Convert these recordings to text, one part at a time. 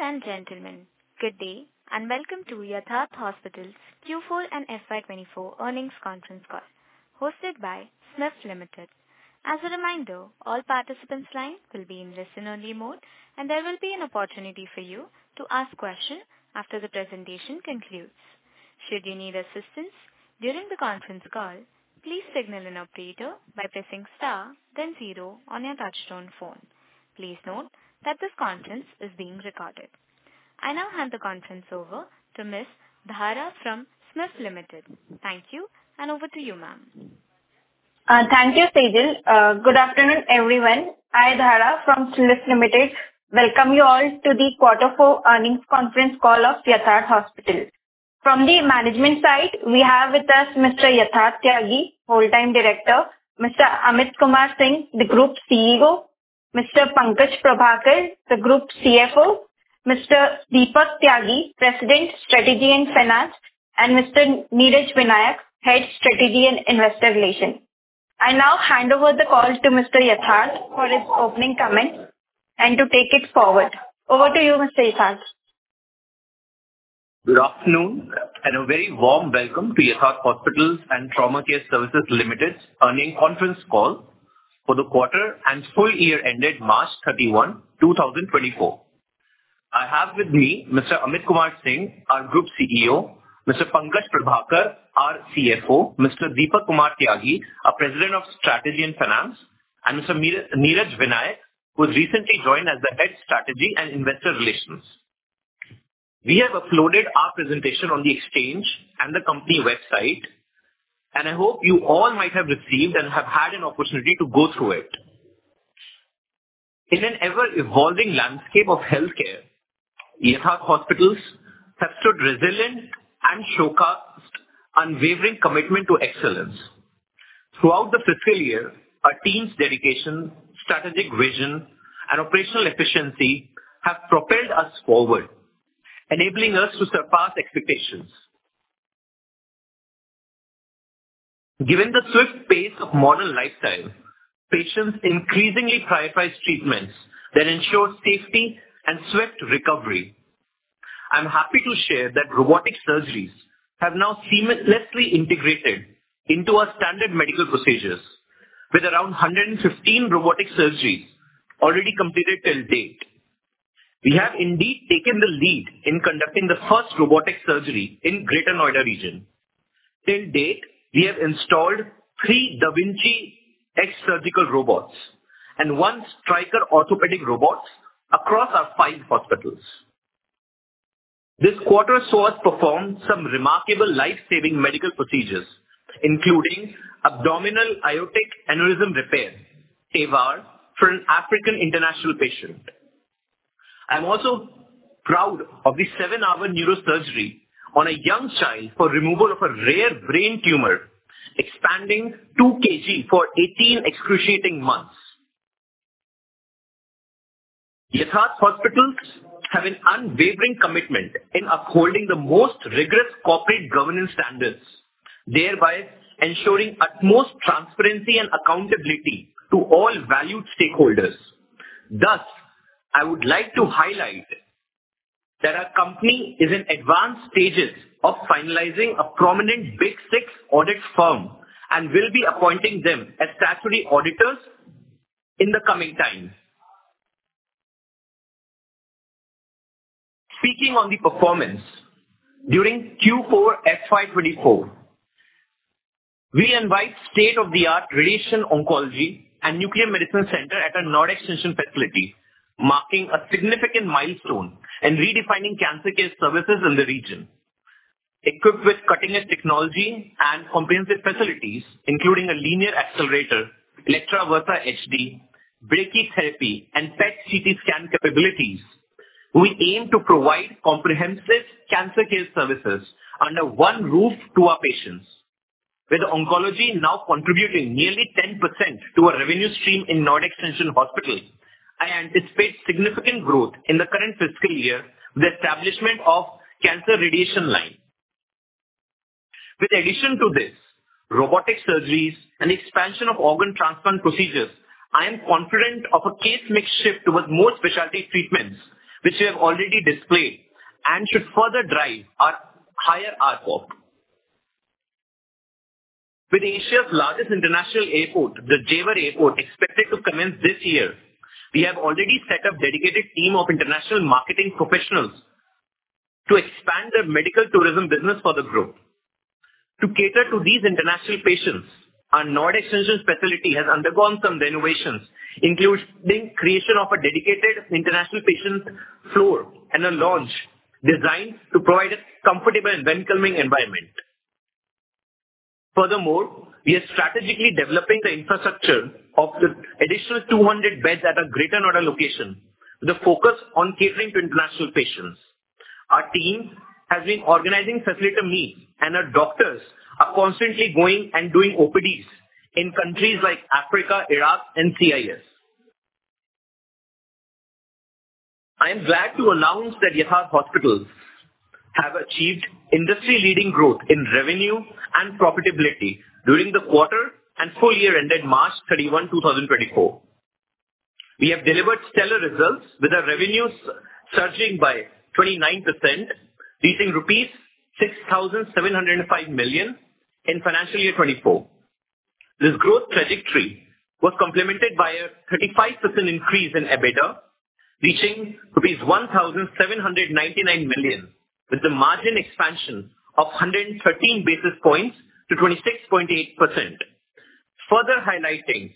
Ladies and gentlemen, good day and welcome to Yatharth Hospital's Q4 and FY24 Earnings Conference Call hosted by SMIFS Limited. As a reminder, all participants' line will be in listen-only mode and there will be an opportunity for you to ask questions after the presentation concludes. Should you need assistance during the conference call, please signal an operator by pressing star then zero on your touch-tone phone. Please note that this conference is being recorded. I now hand the conference over to Ms. Dhara from SMIFS Limited. Thank you and over to you, ma'am. Thank you, Sejal. Good afternoon, everyone. I'm Dhara from SMIFS Limited. Welcome you all to the Q4 Earnings Conference call of Yatharth Hospital. From the management side, we have with us Mr. Yatharth Tyagi, Full-time Director; Mr. Amit Kumar Singh, the Group CEO; Mr. Pankaj Prabhakar, the Group CFO; Mr. Deepak Kumar Tyagi, President, Strategy and Finance; and Mr. Neeraj Vinayak, Head, Strategy and Investor Relations. I now hand over the call to Mr. Yatharth for his opening comments and to take it forward. Over to you, Mr. Yatharth. Good afternoon and a very warm welcome to Yatharth Hospital & Trauma Care Services Limited's earnings conference call for the quarter and full year ended March 31, 2024. I have with me Mr. Amit Kumar Singh, our Group CEO, Mr. Pankaj Prabhakar, our CFO, Mr. Deepak Kumar Tyagi, our President of Strategy and Finance, and Mr. Neeraj Vinayak, who has recently joined as the Head, Strategy and Investor Relations. We have uploaded our presentation on the Exchange and the company website, and I hope you all might have received and have had an opportunity to go through it. In an ever-evolving landscape of healthcare, Yatharth Hospitals have stood resilient and showcased unwavering commitment to excellence. Throughout the fiscal year, our team's dedication, strategic vision, and operational efficiency have propelled us forward, enabling us to surpass expectations. Given the swift pace of modern lifestyle, patients increasingly prioritize treatments that ensure safety and swift recovery. I'm happy to share that robotic surgeries have now seamlessly integrated into our standard medical procedures, with around 115 robotic surgeries already completed till date. We have indeed taken the lead in conducting the first robotic surgery in the Greater Noida region. Till date, we have installed three Da Vinci X surgical robots and one Stryker Orthopedic Robot across our five hospitals. This quarter saw us perform some remarkable life-saving medical procedures, including Abdominal Aortic Aneurysm Repair (EVAR), for an African international patient. I'm also proud of the seven-hour neurosurgery on a young child for removal of a rare brain tumor expanding 2 kg for 18 excruciating months. Yatharth Hospitals have an unwavering commitment in upholding the most rigorous corporate governance standards, thereby ensuring utmost transparency and accountability to all valued stakeholders. Thus, I would like to highlight that our company is in advanced stages of finalizing a prominent Big Six audit firm and will be appointing them as statutory auditors in the coming time. Speaking on the performance, during Q4 FY2024, we invited state-of-the-art radiation oncology and nuclear medicine centers at our Noida Extension facility, marking a significant milestone in redefining cancer care services in the region. Equipped with cutting-edge technology and comprehensive facilities, including a linear accelerator, Elekta Versa HD, brachytherapy, and PET/CT scan capabilities, we aim to provide comprehensive cancer care services under one roof to our patients. With oncology now contributing nearly 10% to our revenue stream in Noida Extension Hospital, I anticipate significant growth in the current fiscal year with the establishment of a cancer radiation line. In addition to this, robotic surgeries and the expansion of organ transplant procedures, I am confident of a case-mix shift towards more specialty treatments, which we have already displayed and should further drive our higher ARPOB. With Asia's largest international airport, the Jewar Airport, expected to commence this year, we have already set up a dedicated team of international marketing professionals to expand the medical tourism business for the group. To cater to these international patients, our Noida Extension facility has undergone some renovations, including the creation of a dedicated international patient floor and a lounge designed to provide a comfortable and welcoming environment. Furthermore, we are strategically developing the infrastructure of the additional 200 beds at our Greater Noida location, with a focus on catering to international patients. Our team has been organizing facilitator meets, and our doctors are constantly going and doing OPDs in countries like Africa, Iraq, and CIS. I am glad to announce that Yatharth Hospitals have achieved industry-leading growth in revenue and profitability during the quarter and full year ended March 31, 2024. We have delivered stellar results, with our revenues surging by 29%, reaching rupees 6,705 million in financial year 2024. This growth trajectory was complemented by a 35% increase in EBITDA, reaching 1,799 million, with the margin expansion of 113 basis points to 26.8%, further highlighting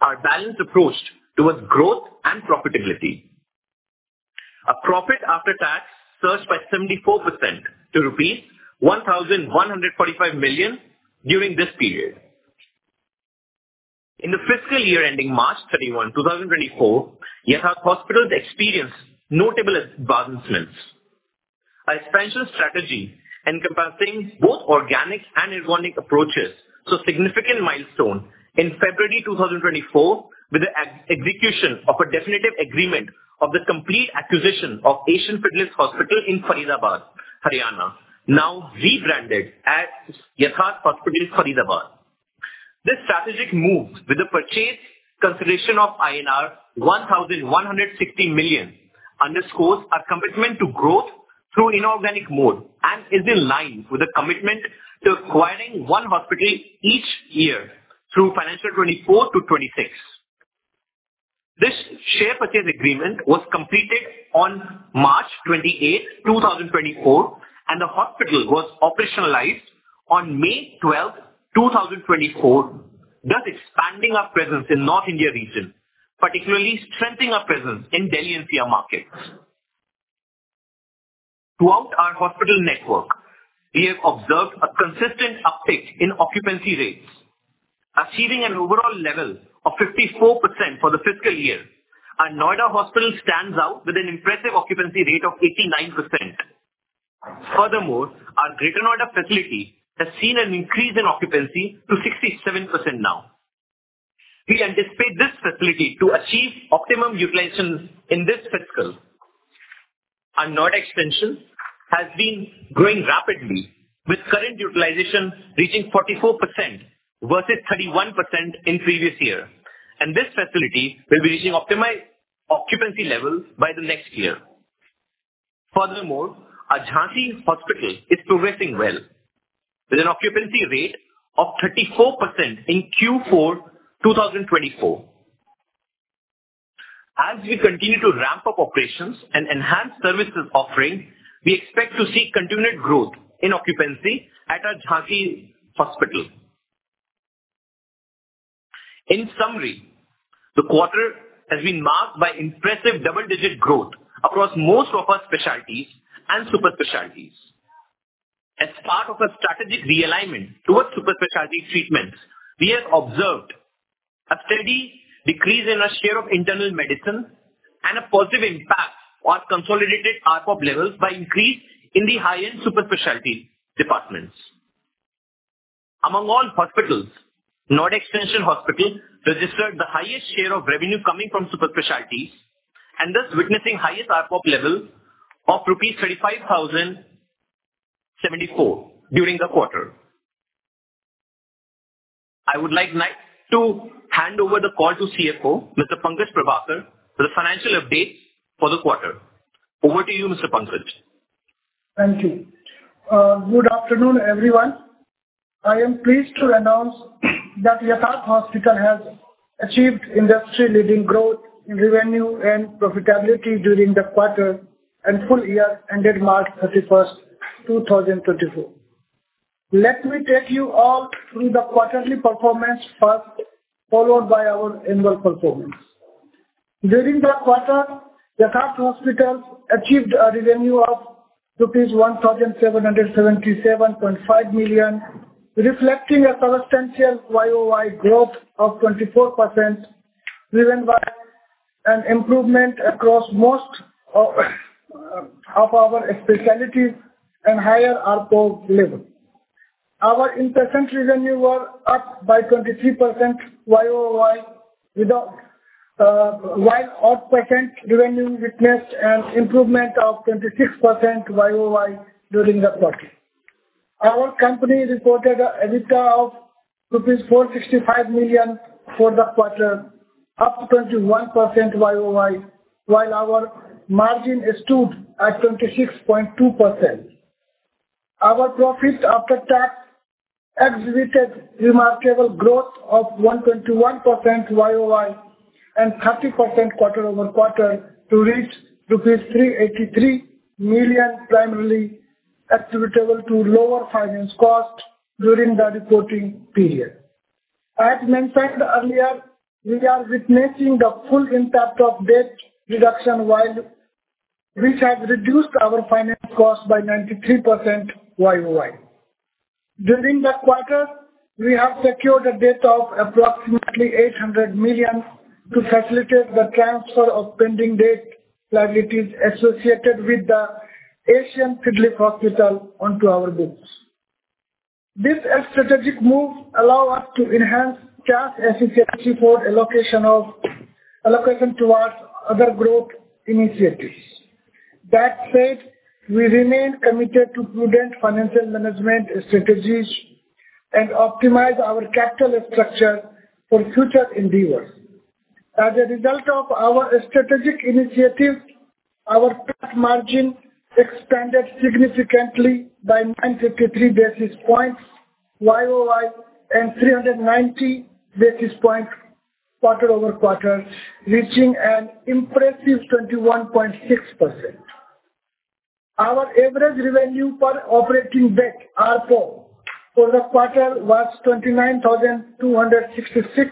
our balanced approach towards growth and profitability. Our profit after tax surged by 74% to rupees 1,145 million during this period. In the fiscal year ending March 31, 2024, Yatharth Hospitals experienced notable advancements. Our expansion strategy, encompassing both organic and inorganic approaches, saw a significant milestone in February 2024 with the execution of a definitive agreement on the complete acquisition of Asian Fidelis Hospital in Faridabad, Haryana, now rebranded as Yatharth Hospital Faridabad. This strategic move, with the purchase consideration of INR 1,160 million, underscores our commitment to growth through inorganic mode and is in line with the commitment to acquiring one hospital each year through financial year 2024 to 2026. This share purchase agreement was completed on March 28, 2024, and the hospital was operationalized on May 12, 2024, thus expanding our presence in the North India region, particularly strengthening our presence in the Delhi and NCR markets. Throughout our hospital network, we have observed a consistent uptick in occupancy rates. Achieving an overall level of 54% for the fiscal year, our Noida Hospital stands out with an impressive occupancy rate of 89%. Furthermore, our Greater Noida facility has seen an increase in occupancy to 67% now. We anticipate this facility to achieve optimum utilization in this fiscal. Our Noida Extension has been growing rapidly, with current utilization reaching 44% versus 31% in the previous year, and this facility will be reaching optimized occupancy levels by the next year. Furthermore, our Jhansi Hospital is progressing well, with an occupancy rate of 34% in Q4 2024. As we continue to ramp up operations and enhance services offering, we expect to see continued growth in occupancy at our Jhansi Hospital. In summary, the quarter has been marked by impressive double-digit growth across most of our specialties and super-specialties. As part of our strategic realignment towards super-specialty treatments, we have observed a steady decrease in our share of internal medicine and a positive impact on our consolidated ARPOB levels by an increase in the high-end super-specialty departments. Among all hospitals, Noida Extension Hospital registered the highest share of revenue coming from super-specialties, and thus witnessing the highest ARPOB level of INR 35,074 during the quarter. I would like to hand over the call to CFO, Mr. Pankaj Prabhakar, with the financial updates for the quarter. Over to you, Mr. Pankaj. Thank you. Good afternoon, everyone. I am pleased to announce that Yatharth Hospital has achieved industry-leading growth in revenue and profitability during the quarter and full year ended March 31, 2024. Let me take you all through the quarterly performance first, followed by our annual performance. During the quarter, Yatharth Hospital achieved a revenue of rupees 1,777.5 million, reflecting a substantial YoY growth of 24%, driven by an improvement across most of our specialties and higher ARPOB levels. Our inpatient revenues were up by 23% YoY, while outpatient revenues witnessed an improvement of 26% YoY during the quarter. Our company reported an EBITDA of rupees 465 million for the quarter, up 21% YoY, while our margin stood at 26.2%. Our profit after tax exhibited remarkable growth of 121% YoY and 30% quarter-over-quarter to reach rupees 383 million, primarily attributable to lower finance costs during the reporting period. As mentioned earlier, we are witnessing the full impact of debt reduction, which has reduced our finance costs by 93% YoY. During the quarter, we have secured a debt of approximately 800 million to facilitate the transfer of pending debt liabilities associated with the Asian Fidelis Hospital onto our books. This strategic move allows us to enhance cash efficiency for allocation towards other growth initiatives. That said, we remain committed to prudent financial management strategies and optimize our capital structure for future endeavors. As a result of our strategic initiative, our net margin expanded significantly by 953 basis points YoY and 390 basis points quarter-over-quarter, reaching an impressive 21.6%. Our average revenue per occupied bed (ARPOB) for the quarter was 29,266,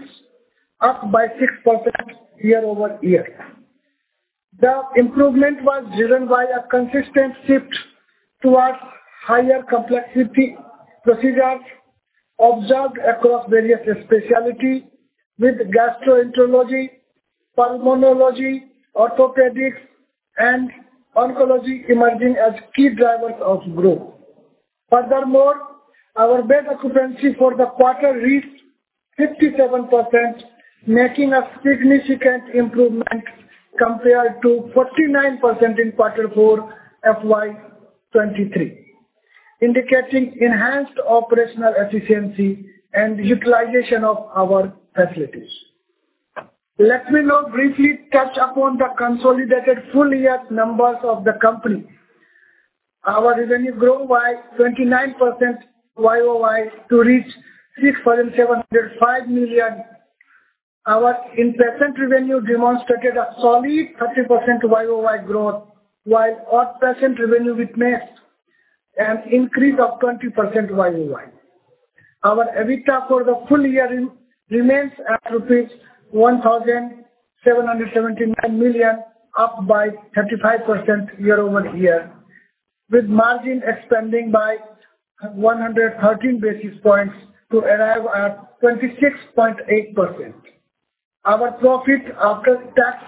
up by 6% year-over-year. The improvement was driven by a consistent shift towards higher complexity procedures observed across various specialties, with gastroenterology, pulmonology, orthopedics, and oncology emerging as key drivers of growth. Furthermore, our bed occupancy for the quarter reached 57%, making a significant improvement compared to 49% in quarter four FY23, indicating enhanced operational efficiency and utilization of our facilities. Let me now briefly touch upon the consolidated full-year numbers of the company. Our revenues grew by 29% YoY to reach 6,705 million. Our inpatient revenue demonstrated a solid 30% YoY growth, while outpatient revenue witnessed an increase of 20% YoY. Our EBITDA for the full year remains at rupees 1,779 million, up by 35% year over year, with margin expanding by 113 basis points to arrive at 26.8%. Our profit after tax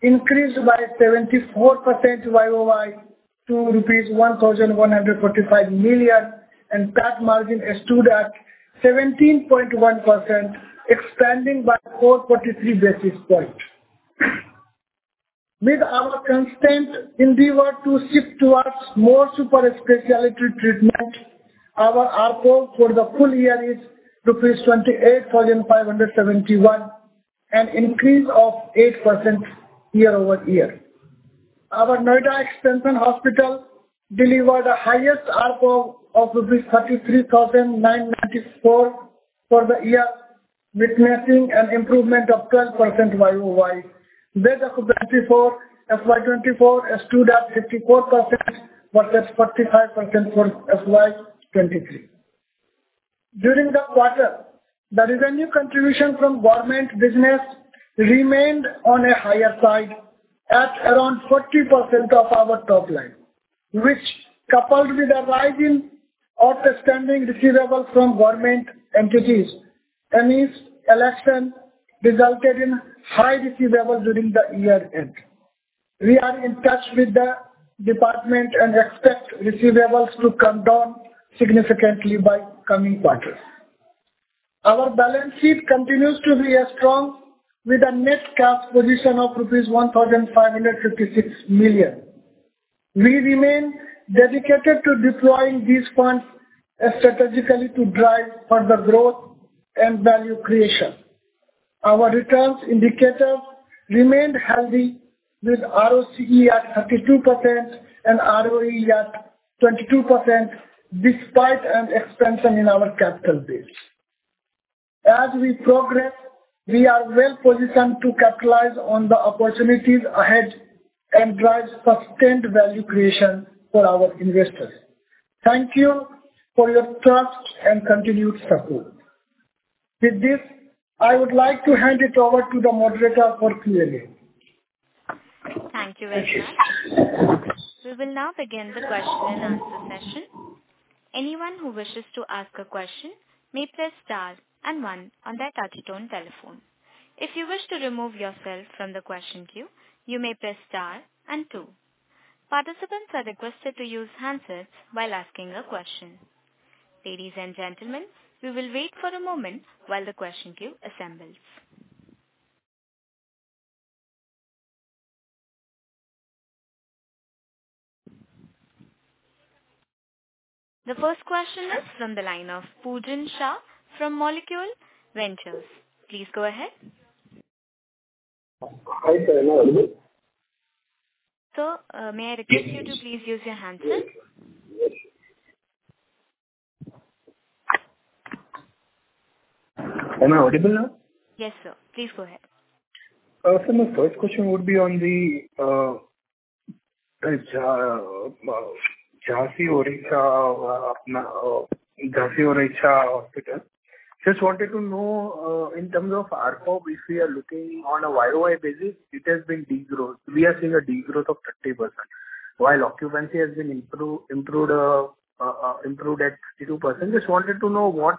increased by 74% YoY to rupees 1,145 million, and net margin stood at 17.1%, expanding by 443 basis points. With our constant endeavor to shift towards more super-specialty treatments, our ARPOB for the full year is rupees 28,571, an increase of 8% year-over-year. Our Noida Extension Hospital delivered the highest ARPOB of rupees 33,994 for the year, witnessing an improvement of 12% year-over-year. Bed occupancy for FY24 stood at 54% versus 45% for FY23. During the quarter, the revenue contribution from government business remained on the higher side, at around 40% of our top line, which, coupled with the rise in outstanding receivables from government entities amidst elections, resulted in high receivables during the year-end. We are in touch with the department and expect receivables to come down significantly by the coming quarter. Our balance sheet continues to be strong, with a net cash position of rupees 1,556 million. We remain dedicated to deploying these funds strategically to drive further growth and value creation. Our returns indicators remained healthy, with ROCE at 32% and ROE at 22% despite an expansion in our capital base. As we progress, we are well positioned to capitalize on the opportunities ahead and drive sustained value creation for our investors. Thank you for your trust and continued support. With this, I would like to hand it over to the moderator for Q&A. Thank you very much. We will now begin the question-and-answer session. Anyone who wishes to ask a question may press star and one on their touch-tone telephone. If you wish to remove yourself from the question queue, you may press star and two. Participants are requested to use handsets while asking a question. Ladies and gentlemen, we will wait for a moment while the question queue assembles. The first question is from the line of Pujan Shah from Molecule Ventures. Please go ahead. Sir, may I request you to please use your handset? Yes. Am I audible now? Yes, sir. Please go ahead. Sir, my first question would be on the Jhansi Orchha Hospital. Just wanted to know, in terms of ARPOB, if we are looking on a YoY basis, it has been degrowth. We are seeing a degrowth of 30%, while occupancy has been improved at 62%. Just wanted to know what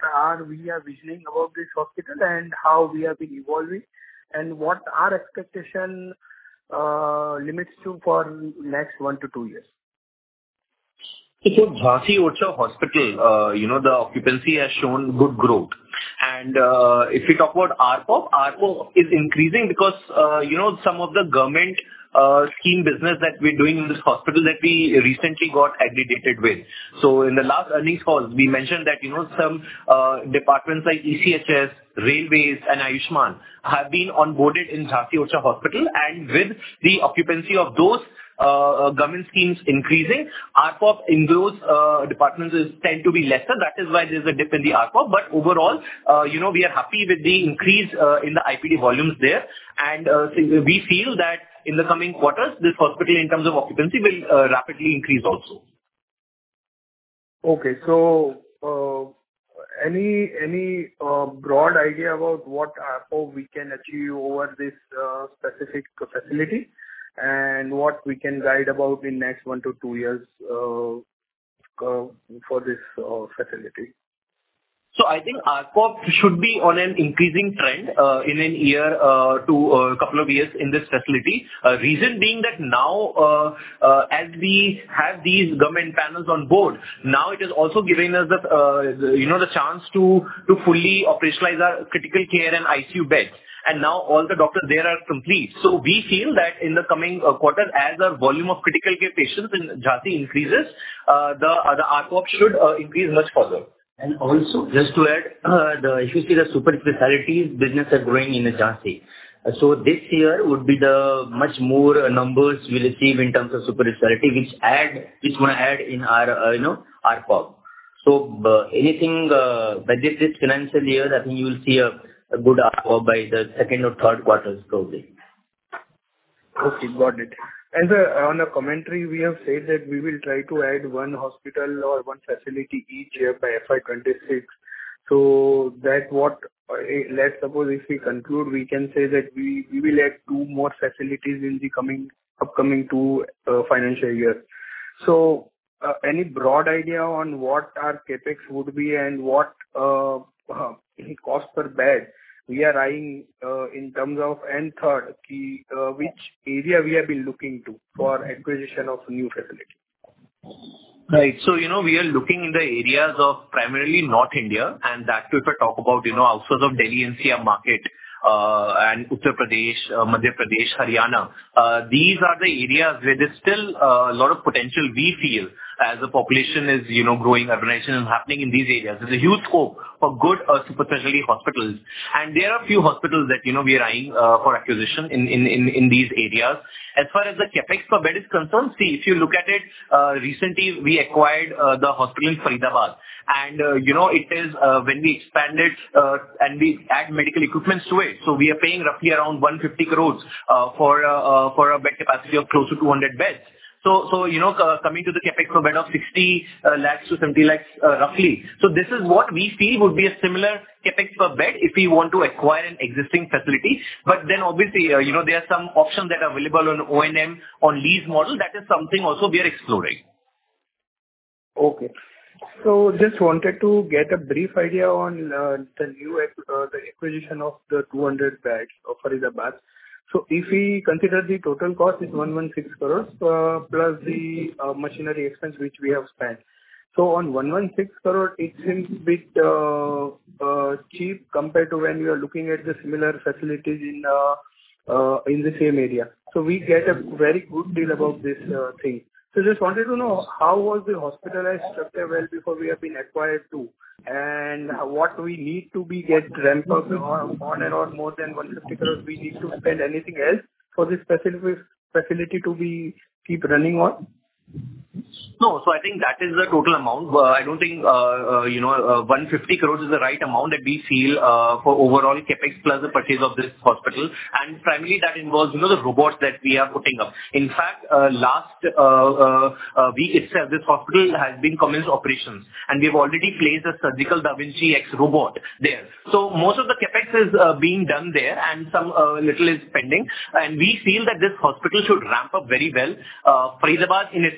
we are visioning about this hospital and how we have been evolving, and what our expectation limits to for the next one to two years. Sir, for Jhansi Orchha Hospital, the occupancy has shown good growth. If we talk about ARPOB, ARPOB is increasing because some of the government-scheme business that we're doing in this hospital that we recently got aggregated with. In the last earnings calls, we mentioned that some departments like ECHS, railways, and Ayushman have been onboarded in Jhansi Orchha Hospital. With the occupancy of those government schemes increasing, ARPOB in those departments tends to be lesser. That is why there's a dip in the ARPOB. Overall, we are happy with the increase in the IPD volumes there. We feel that in the coming quarters, this hospital, in terms of occupancy, will rapidly increase also. Okay. So, any broad idea about what ARPOB we can achieve over this specific facility and what we can guide about in the next 1-2 years for this facility? I think ARPOB should be on an increasing trend in a year to a couple of years in this facility, reason being that now, as we have these government panels on board, now it is also giving us the chance to fully operationalize our critical care and ICU beds. And now, all the doctors there are complete. So, we feel that in the coming quarters, as our volume of critical care patients in Jhansi increases, the ARPOB should increase much further. And also, just to add, if you see the super-specialties business are growing in Jhansi. So, this year would be the much more numbers we'll achieve in terms of super-specialty, which we want to add in our ARPOB. So, anything by this financial year, I think you will see a good ARPOB by the second or third quarters, probably. Okay. Got it. As on the commentary, we have said that we will try to add one hospital or one facility each year by FY 2026. So, let's suppose if we conclude, we can say that we will add two more facilities in the upcoming two financial years. So, any broad idea on what our Capex would be and what cost per bed we are eyeing in terms of and third, which area we have been looking to for acquisition of new facilities? Right. So, we are looking in the areas of primarily North India. And that too, if I talk about outside of Delhi and NCR market and Uttar Pradesh, Madhya Pradesh, Haryana, these are the areas where there's still a lot of potential, we feel, as the population is growing, urbanization is happening in these areas. There's a huge scope for good super-specialty hospitals. And there are a few hospitals that we are eyeing for acquisition in these areas. As far as the CapEx per bed is concerned, see, if you look at it, recently, we acquired the hospital in Faridabad. And it is when we expanded and we added medical equipment to it. So, we are paying roughly around 150 crores for a bed capacity of close to 200 beds. So, coming to the CapEx per bed of 60 lakhs-70 lakhs, roughly. So, this is what we feel would be a similar CapEx per bed if we want to acquire an existing facility. But then, obviously, there are some options that are available on O&M, on lease model. That is something also we are exploring. Okay. So, just wanted to get a brief idea on the acquisition of the 200 beds of Faridabad. So, if we consider the total cost, it's 116 crores plus the machinery expense, which we have spent. So, on 116 crores, it seems a bit cheap compared to when we are looking at the similar facilities in the same area. So, we get a very good deal about this thing. So, just wanted to know, how was the hospital structure well before we have been acquired too? And what do we need to get ramped up on and on more than 150 crores? We need to spend anything else for this specific facility to keep running on? No. So, I think that is the total amount. I don't think 150 crore is the right amount that we feel for overall CapEx plus the purchase of this hospital. And primarily, that involves the robots that we are putting up. In fact, last week itself, this hospital has been commenced operations. And we have already placed a surgical Da Vinci X robot there. So, most of the CapEx is being done there, and some little is pending. And we feel that this hospital should ramp up very well. Faridabad in itself,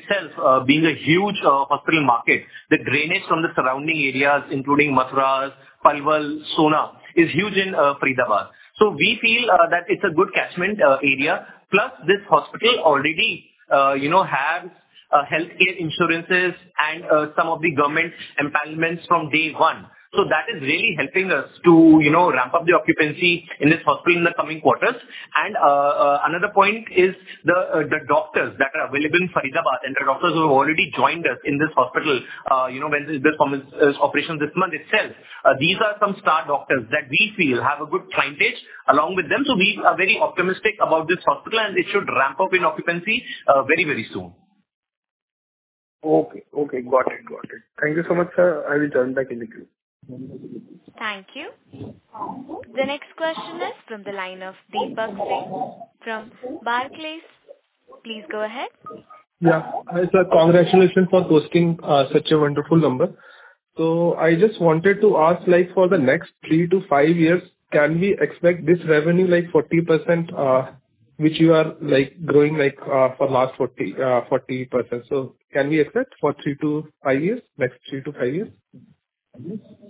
being a huge hospital market, the drainage from the surrounding areas, including Mathura, Palwal, Sohna, is huge in Faridabad. So, we feel that it's a good catchment area. Plus, this hospital already has healthcare insurances and some of the government empanelments from day one. So, that is really helping us to ramp up the occupancy in this hospital in the coming quarters. And another point is the doctors that are available in Faridabad. And the doctors who have already joined us in this hospital when this commenced operation this month itself, these are some star doctors that we feel have a good clientele along with them. So, we are very optimistic about this hospital, and it should ramp up in occupancy very, very soon. Okay. Okay. Got it. Got it. Thank you so much, sir. I will turn back into you. Thank you. The next question is from the line of Deepak Singh from Barclays. Please go ahead. Yeah. Sir, congratulations for posting such a wonderful number. So, I just wanted to ask, for the next three-five years, can we expect this revenue like 40%, which you are growing for the last 40%? So, can we expect for three-five years, next three-five years?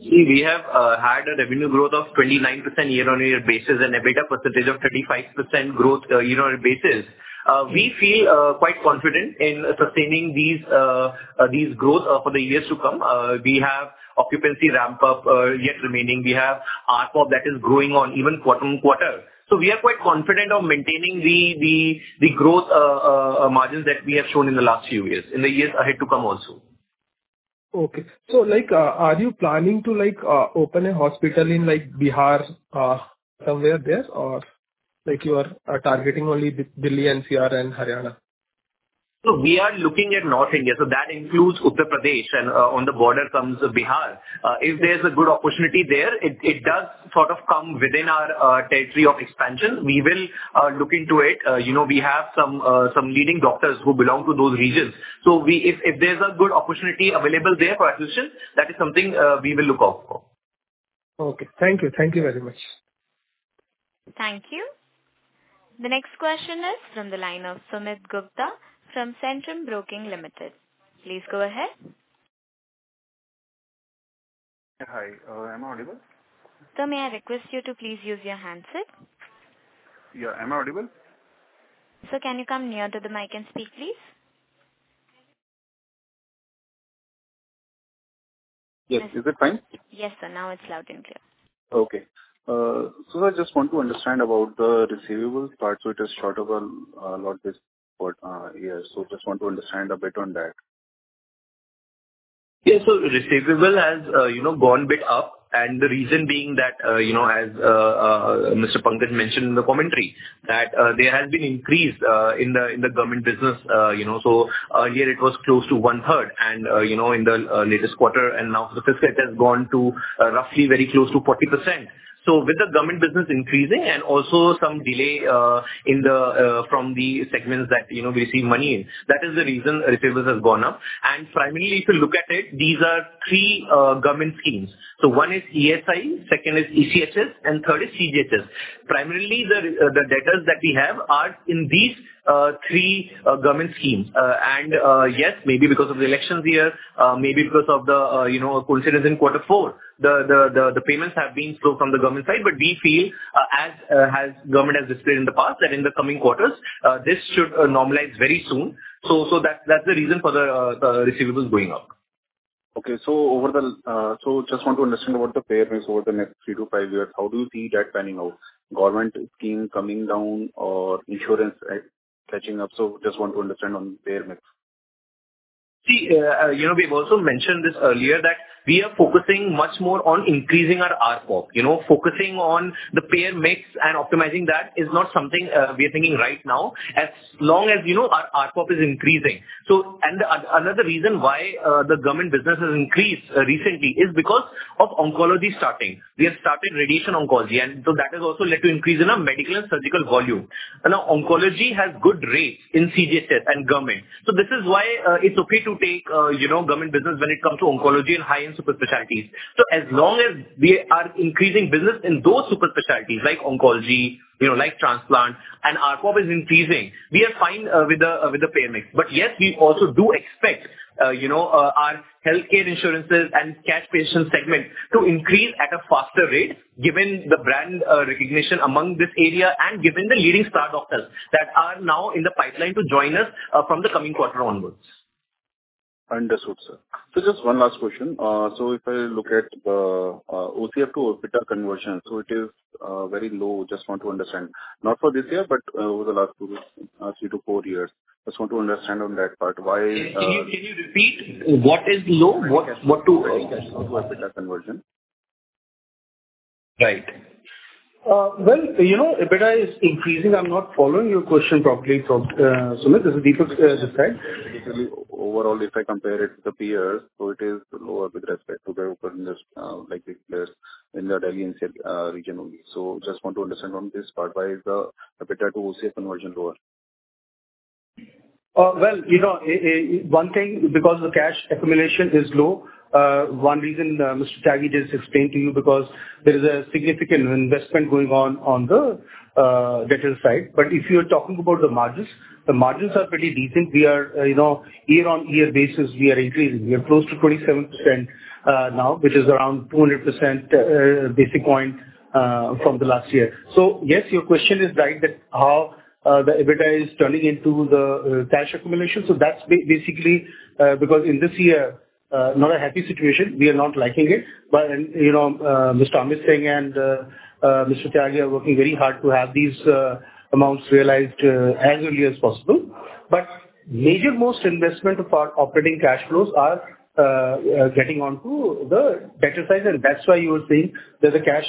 See, we have had a revenue growth of 29% year-over-year basis and an EBITDA percentage of 35% growth year-over-year basis. We feel quite confident in sustaining this growth for the years to come. We have occupancy ramp-up yet remaining. We have ARPOB that is growing on even quarter-over-quarter. So, we are quite confident of maintaining the growth margins that we have shown in the last few years, in the years ahead to come also. Okay. Are you planning to open a hospital in Bihar somewhere there, or you are targeting only Delhi and SER and Haryana? We are looking at North India. That includes Uttar Pradesh, and on the border comes Bihar. If there's a good opportunity there, it does sort of come within our territory of expansion. We will look into it. We have some leading doctors who belong to those regions. If there's a good opportunity available there for acquisition, that is something we will look out for. Okay. Thank you. Thank you very much. Thank you. The next question is from the line of Sumit Gupta from Centrum Broking Limited. Please go ahead. Hi. Am I audible? Sir, may I request you to please use your handset? Yeah. Am I audible? Sir, can you come near to the mic and speak, please? Yes. Is it fine? Yes, sir. Now it's loud and clear. Okay. Sir, I just want to understand about the receivables part. So, it is short of a lot this year. So, just want to understand a bit on that. Yeah. So, receivables have gone a bit up. The reason being that, as Mr. Pankaj mentioned in the commentary, there has been increase in the government business. So, earlier, it was close to one-third. And in the latest quarter and now, the fiscal has gone to roughly very close to 40%. So, with the government business increasing and also some delay from the segments that we receive money in, that is the reason receivables have gone up. And primarily, if you look at it, these are three government schemes. So, one is ESI, second is ECHS, and third is CGHS. Primarily, the debtors that we have are in these three government schemes. And yes, maybe because of the elections here, maybe because of the coincidence in quarter four, the payments have been slow from the government side. We feel, as government has displayed in the past, that in the coming quarters, this should normalize very soon. That's the reason for the receivables going up. Okay. So, just want to understand about the payer mix over the next three-five years. How do you see that panning out? Government scheme coming down or insurance catching up? So, just want to understand on payer mix. See, we've also mentioned this earlier, that we are focusing much more on increasing our ARPOB. Focusing on the payer mix and optimizing that is not something we are thinking right now, as long as our ARPOB is increasing. So, another reason why the government business has increased recently is because of oncology starting. We have started radiation oncology. And so, that has also led to an increase in our medical and surgical volume. Now, oncology has good rates in CGHS and government. So, this is why it's okay to take government business when it comes to oncology and high-end super-specialties. So, as long as we are increasing business in those super-specialties like oncology, like transplant, and ARPOB is increasing, we are fine with the payer mix. But yes, we also do expect our healthcare insurances and cash patient segment to increase at a faster rate, given the brand recognition among this area and given the leading star doctors that are now in the pipeline to join us from the coming quarter onwards. Understood, sir. So, just one last question. So, if I look at the OCF to EBITDA conversion, so it is very low, just want to understand. Not for this year, but over the last three to four years. Just want to understand on that part. Why? Can you repeat? What is low? What to? Why is it low OPD to IPD conversion? Right. Well, ARPOB is increasing. I'm not following your question properly, Sumit. This is Deepak's side. Particularly, overall, if I compare it to the peers, so it is lower with respect to the ARPOB in the Delhi and NCR region only. So, just want to understand on this part. Why is the EBITDA to OCF conversion lower? Well, one thing, because the cash accumulation is low. One reason Mr. Tyagi did explain to you, because there is a significant investment going on on the debtor side. But if you are talking about the margins, the margins are pretty decent. Year-on-year basis, we are increasing. We are close to 27% now, which is around 200 basis points from the last year. So, yes, your question is right that how the EBITDA is turning into the cash accumulation. So, that's basically because in this year, not a happy situation. We are not liking it. And Mr. Amit Singh and Mr. Tyagi are working very hard to have these amounts realized as early as possible. But major, most investment of our operating cash flows are getting onto the debtor side. And that's why you were saying that the cash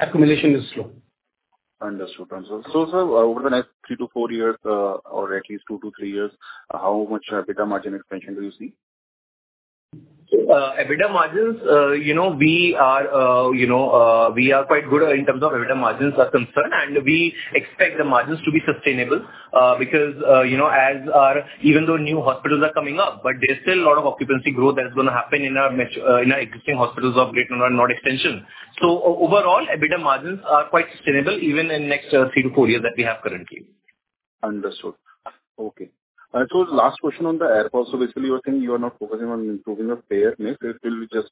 accumulation is slow. Understood, answer. So, sir, over the next three-four years or at least two-three years, how much EBITDA margin expansion do you see? EBITDA margins, we are quite good in terms of EBITDA margins are concerned. We expect the margins to be sustainable because, as our even though new hospitals are coming up, but there's still a lot of occupancy growth that is going to happen in our existing hospitals of Greater Noida Noida Extension. So, overall, EBITDA margins are quite sustainable even in the next three to four years that we have currently. Understood. Okay. So, last question on the ARPOB. So, basically, you were saying you are not focusing on improving the payer mix. It will be just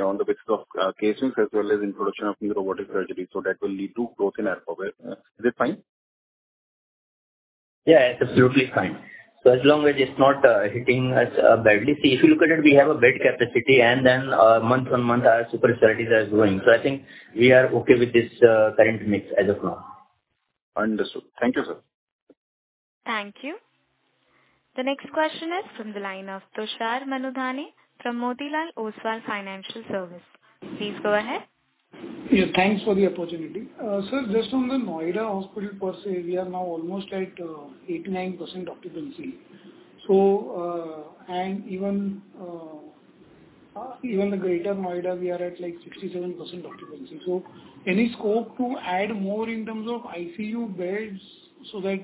on the basis of case mix as well as introduction of robotic surgery. So, that will lead to growth in ARPOB. Is it fine? Yeah. It's absolutely fine. So, as long as it's not hitting us badly. See, if you look at it, we have a bed capacity. And then, month-on-month, our super-specialties are growing. So, I think we are okay with this current mix as of now. Understood. Thank you, sir. Thank you. The next question is from the line of Tushar Manudhane from Motilal Oswal Financial Services. Please go ahead. Yeah. Thanks for the opportunity. Sir, just on the Noida hospital per se, we are now almost at 89% occupancy. Even the Greater Noida, we are at 67% occupancy. So, any scope to add more in terms of ICU beds so that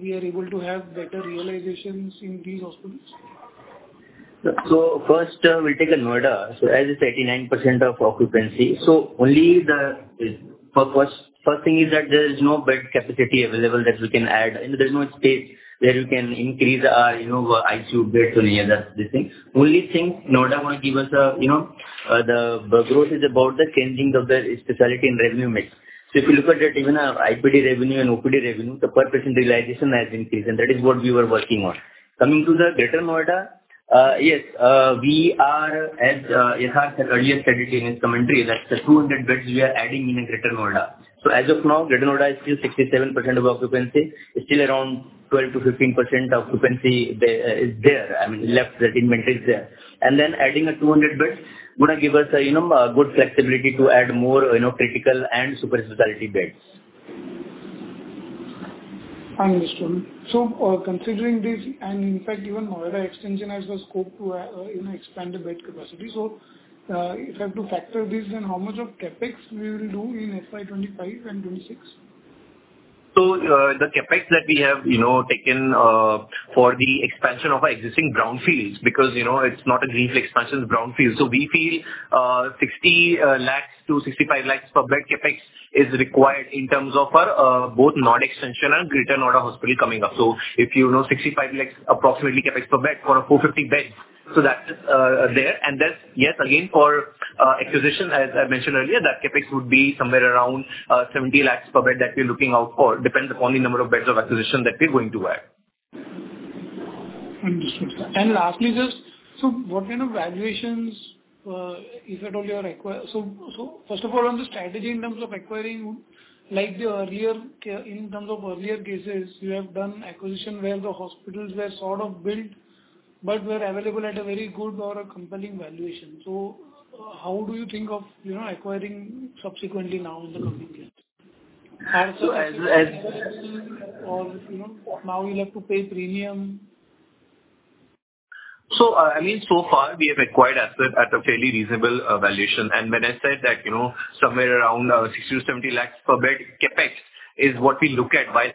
we are able to have better realizations in these hospitals? So, first, we'll take Noida. So, as you said, 89% occupancy. So, only the first thing is that there is no bed capacity available that we can add. There's no space where we can increase our ICU beds or any of these things. Only thing Noida want to give us the growth is about the changing of the specialty and revenue mix. So, if you look at it, even IPD revenue and OPD revenue, the per-person realization has increased. And that is what we were working on. Coming to Greater Noida, yes, we are as Yatharth said earlier, stated in his commentary, that the 200 beds we are adding in Greater Noida. So, as of now, Greater Noida is still 67% occupancy. Still around 12%-15% occupancy is there. I mean, left that inventory is there. Adding a 200 beds is going to give us a good flexibility to add more critical and super-specialty beds. Understood. So, considering this and, in fact, even Noida Extension has a scope to expand the bed capacity. So, if I have to factor this, then how much of CapEx we will do in FY2025 and 2026? So, the CapEx that we have taken for the expansion of our existing brownfields because it's not a greenfield expansion, it's brownfield. So, we feel 60 lakhs-65 lakhs per bed CapEx is required in terms of both Noida Extension and Greater Noida hospital coming up. So, if you know 65 lakhs approximately CapEx per bed for 450 beds, so that's there. And yes, again, for acquisition, as I mentioned earlier, that CapEx would be somewhere around 70 lakhs per bed that we're looking out for. Depends upon the number of beds of acquisition that we're going to add. Understood, sir. Lastly, sir, what kind of valuations, if at all, first of all, on the strategy in terms of acquiring, like the earlier in terms of earlier cases, you have done acquisition where the hospitals were sort of built but were available at a very good or compelling valuation. How do you think of acquiring subsequently now in the coming years? Are there any availability or now you have to pay premium? So, I mean, so far, we have acquired assets at a fairly reasonable valuation. And when I said that somewhere around 60-70 lakhs per bed Capex is what we look at while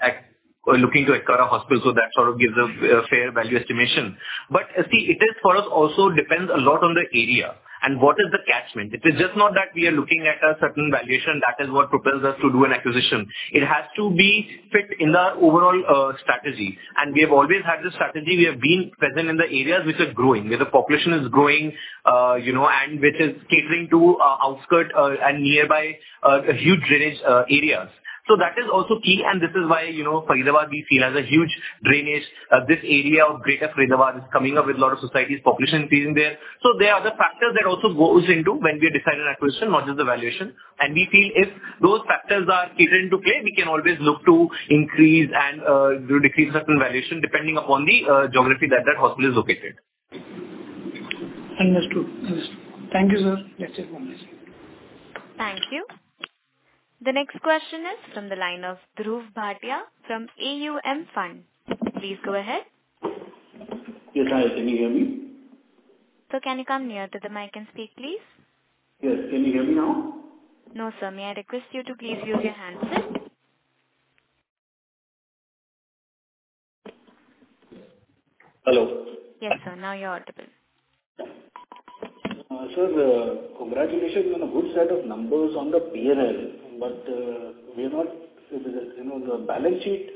looking to acquire a hospital, so that sort of gives a fair value estimation. But see, it is for us also depends a lot on the area and what is the catchment. It is just not that we are looking at a certain valuation. That is what propels us to do an acquisition. It has to be fit in our overall strategy. And we have always had this strategy. We have been present in the areas which are growing, where the population is growing and which is catering to outskirts and nearby huge drainage areas. So, that is also key. And this is why Faridabad, we feel, has a huge drainage. This area of Greater Faridabad is coming up with a lot of societies, population increasing there. So, there are other factors that also go into when we decide an acquisition, not just the valuation. And we feel if those factors are catering to play, we can always look to increase and decrease certain valuation depending upon the geography that that hospital is located. Understood. Understood. Thank you, sir. Yatharth Manudhane. Thank you. The next question is from the line of Dhruv Bhatia from AUM Fund. Please go ahead. Yes, hi. Can you hear me? Sir, can you come near to the mic and speak, please? Yes. Can you hear me now? No, sir. May I request you to please use your handset? Hello? Yes, sir. Now you're audible. Sir, congratulations. We have a good set of numbers on the P&L. But the balance sheet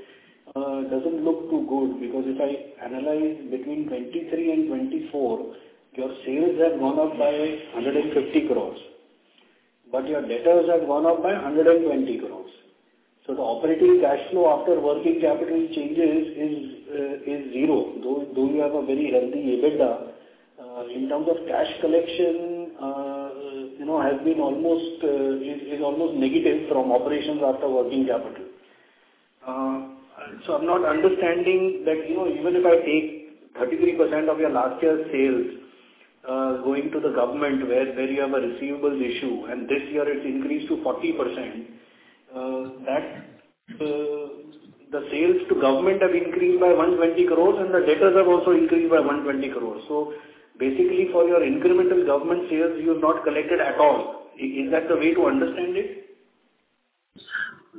doesn't look too good because if I analyze between 2023 and 2024, your sales have gone up by 150 crores. But your debtors have gone up by 120 crores. So, the operating cash flow after working capital changes is zero. Though you have a very healthy EBITDA, in terms of cash collection, has been almost negative from operations after working capital. So, I'm not understanding that even if I take 33% of your last year's sales going to the government where you have a receivables issue, and this year, it's increased to 40%, the sales to government have increased by 120 crores. And the debtors have also increased by 120 crores. So, basically, for your incremental government sales, you have not collected at all. Is that the way to understand it?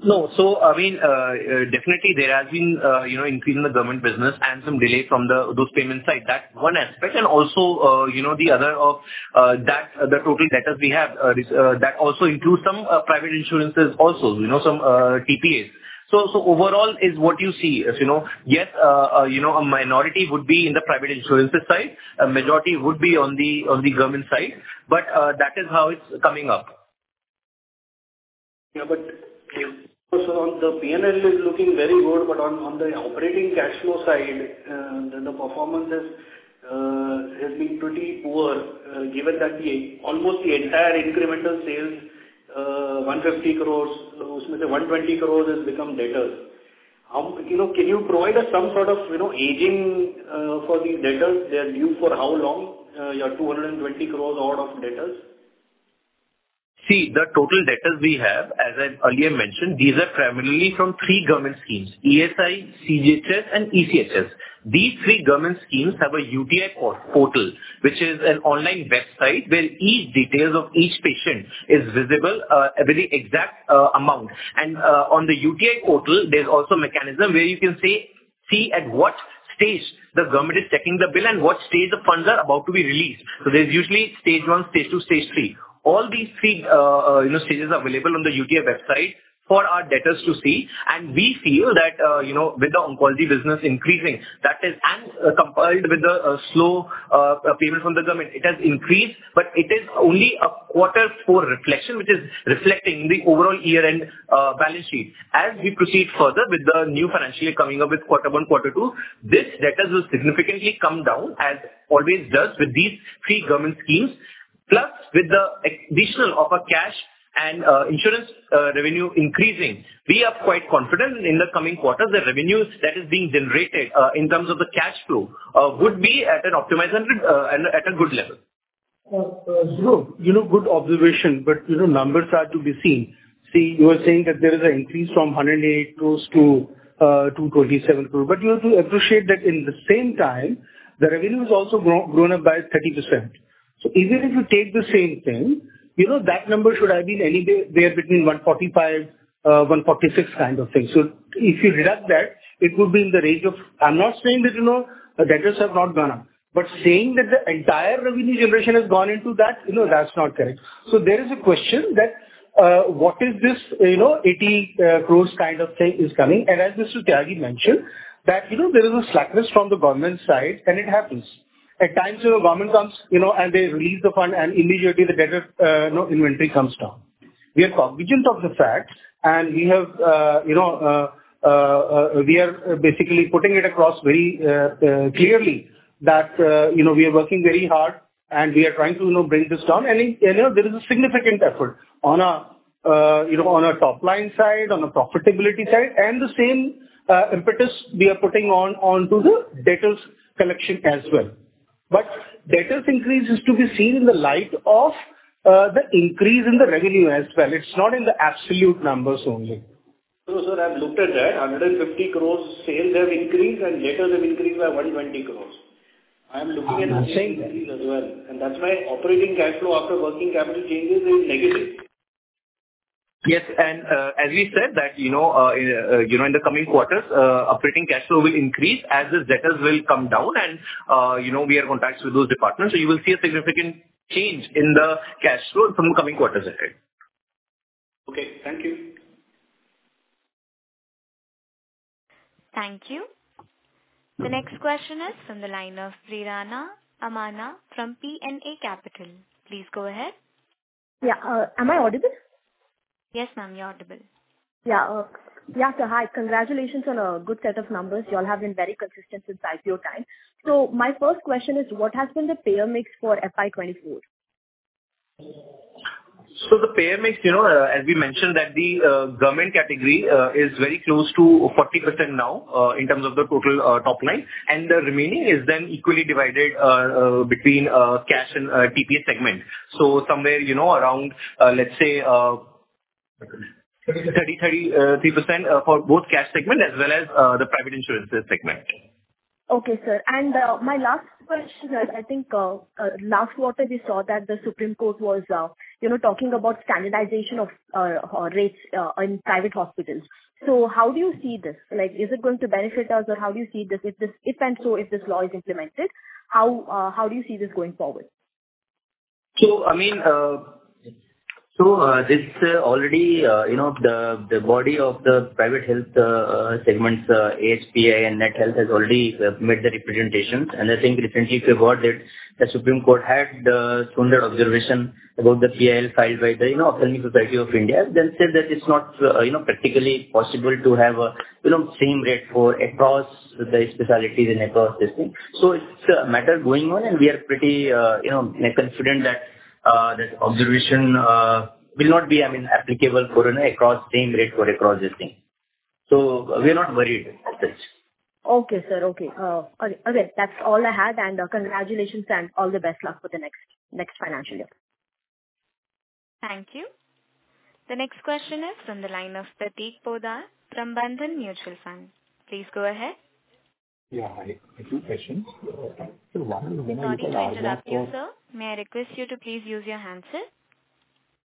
No. So, I mean, definitely, there has been an increase in the government business and some delay from those payments side. That's one aspect. And also, the other of the total debtors we have, that also includes some private insurances also, some TPAs. So, overall, is what you see. Yes, a minority would be in the private insurances side. A majority would be on the government side. But that is how it's coming up. Yeah. On the P&L, it's looking very good. On the operating cash flow side, the performance has been pretty poor given that almost the entire incremental sales, 150 crores, usually 120 crores has become debtors. Can you provide us some sort of aging for these debtors? They are due for how long? You have 220 crores out of debtors? See, the total debtors we have, as I earlier mentioned, these are primarily from three government schemes: ESI, CGHS, and ECHS. These three government schemes have a UTI portal, which is an online website where each detail of each patient is visible, with the exact amount. And on the UTI portal, there's also a mechanism where you can see at what stage the government is checking the bill and what stage the funds are about to be released. So, there's usually stage one, stage two, stage three. All these three stages are available on the UTI website for our debtors to see. And we feel that with the oncology business increasing, that is and coupled with the slow payment from the government, it has increased. But it is only a quarter for reflection, which is reflecting the overall year-end balance sheet. As we proceed further with the new financial year coming up with quarter one, quarter two, this debtor will significantly come down, as always does with these three government schemes. Plus, with the addition of cash and insurance revenue increasing, we are quite confident in the coming quarters that revenues that are being generated in terms of the cash flow would be at an optimized and at a good level. Sure. Good observation. But numbers are to be seen. See, you were saying that there is an increase from 180 crore to 227 crore. But you have to appreciate that in the same time, the revenue has also grown up by 30%. So, even if you take the same thing, that number should have been anywhere between 145-146 kind of thing. So, if you subtract that, it would be in the range of. I'm not saying that debtors have not gone up. But saying that the entire revenue generation has gone into that, that's not correct. So, there is a question that what is this 80 crore kind of thing is coming? And as Mr. Tyagi mentioned, that there is a slackness from the government side, and it happens. At times, the government comes and they release the fund, and immediately, the debtor inventory comes down. We are cognizant of the fact. We are basically putting it across very clearly that we are working very hard, and we are trying to bring this down. There is a significant effort on our top-line side, on our profitability side. The same impetus we are putting onto the debtors' collection as well. But debtors' increase is to be seen in the light of the increase in the revenue as well. It's not in the absolute numbers only. So, sir, I've looked at that. Sales have increased by INR 150 crore, and debtors have increased by 120 crore. I am looking at the increase as well. That's why operating cash flow after working capital changes is negative. Yes. As we said that in the coming quarters, operating cash flow will increase as the debtors will come down. We are in contact with those departments. You will see a significant change in the cash flow from the coming quarters ahead. Okay. Thank you. Thank you. The next question is from the line of Srirama Amana from PNA Capital. Please go ahead. Yeah. Am I audible? Yes, ma'am. You're audible. Yeah. Yeah, sir. Hi. Congratulations on a good set of numbers. You all have been very consistent since IPO time. So, my first question is, what has been the payer mix for FY2024? So, the payer mix, as we mentioned, that the government category is very close to 40% now in terms of the total top line. And the remaining is then equally divided between cash and TPA segment. So, somewhere around, let's say, 33% for both cash segment as well as the private insurances segment. Okay, sir. And my last question is, I think last quarter, we saw that the Supreme Court was talking about standardization of rates in private hospitals. So, how do you see this? Is it going to benefit us, or how do you see this? If and so, if this law is implemented, how do you see this going forward? So, I mean, so this already the body of the private health segments, AHPI and NatHealth, has already made the representations. And I think recently, if you've heard that the Supreme Court had sounded observation about the PIL filed by the [Association of Surgeons of India], then said that it's not practically possible to have a same rate across the specialties and across this thing. So, it's a matter going on. And we are pretty confident that observation will not be, I mean, applicable for an across same rate for across this thing. So, we are not worried at that. Okay, sir. Okay. Okay. That's all I had. And congratulations, and all the best luck for the next financial year. Thank you. The next question is from the line of Prateek Poddar from Bandhan Mutual Fund. Please go ahead. Yeah. Hi. I have two questions. Sir, why are we going to look at our? Sorry to interrupt you, sir. May I request you to please use your handset?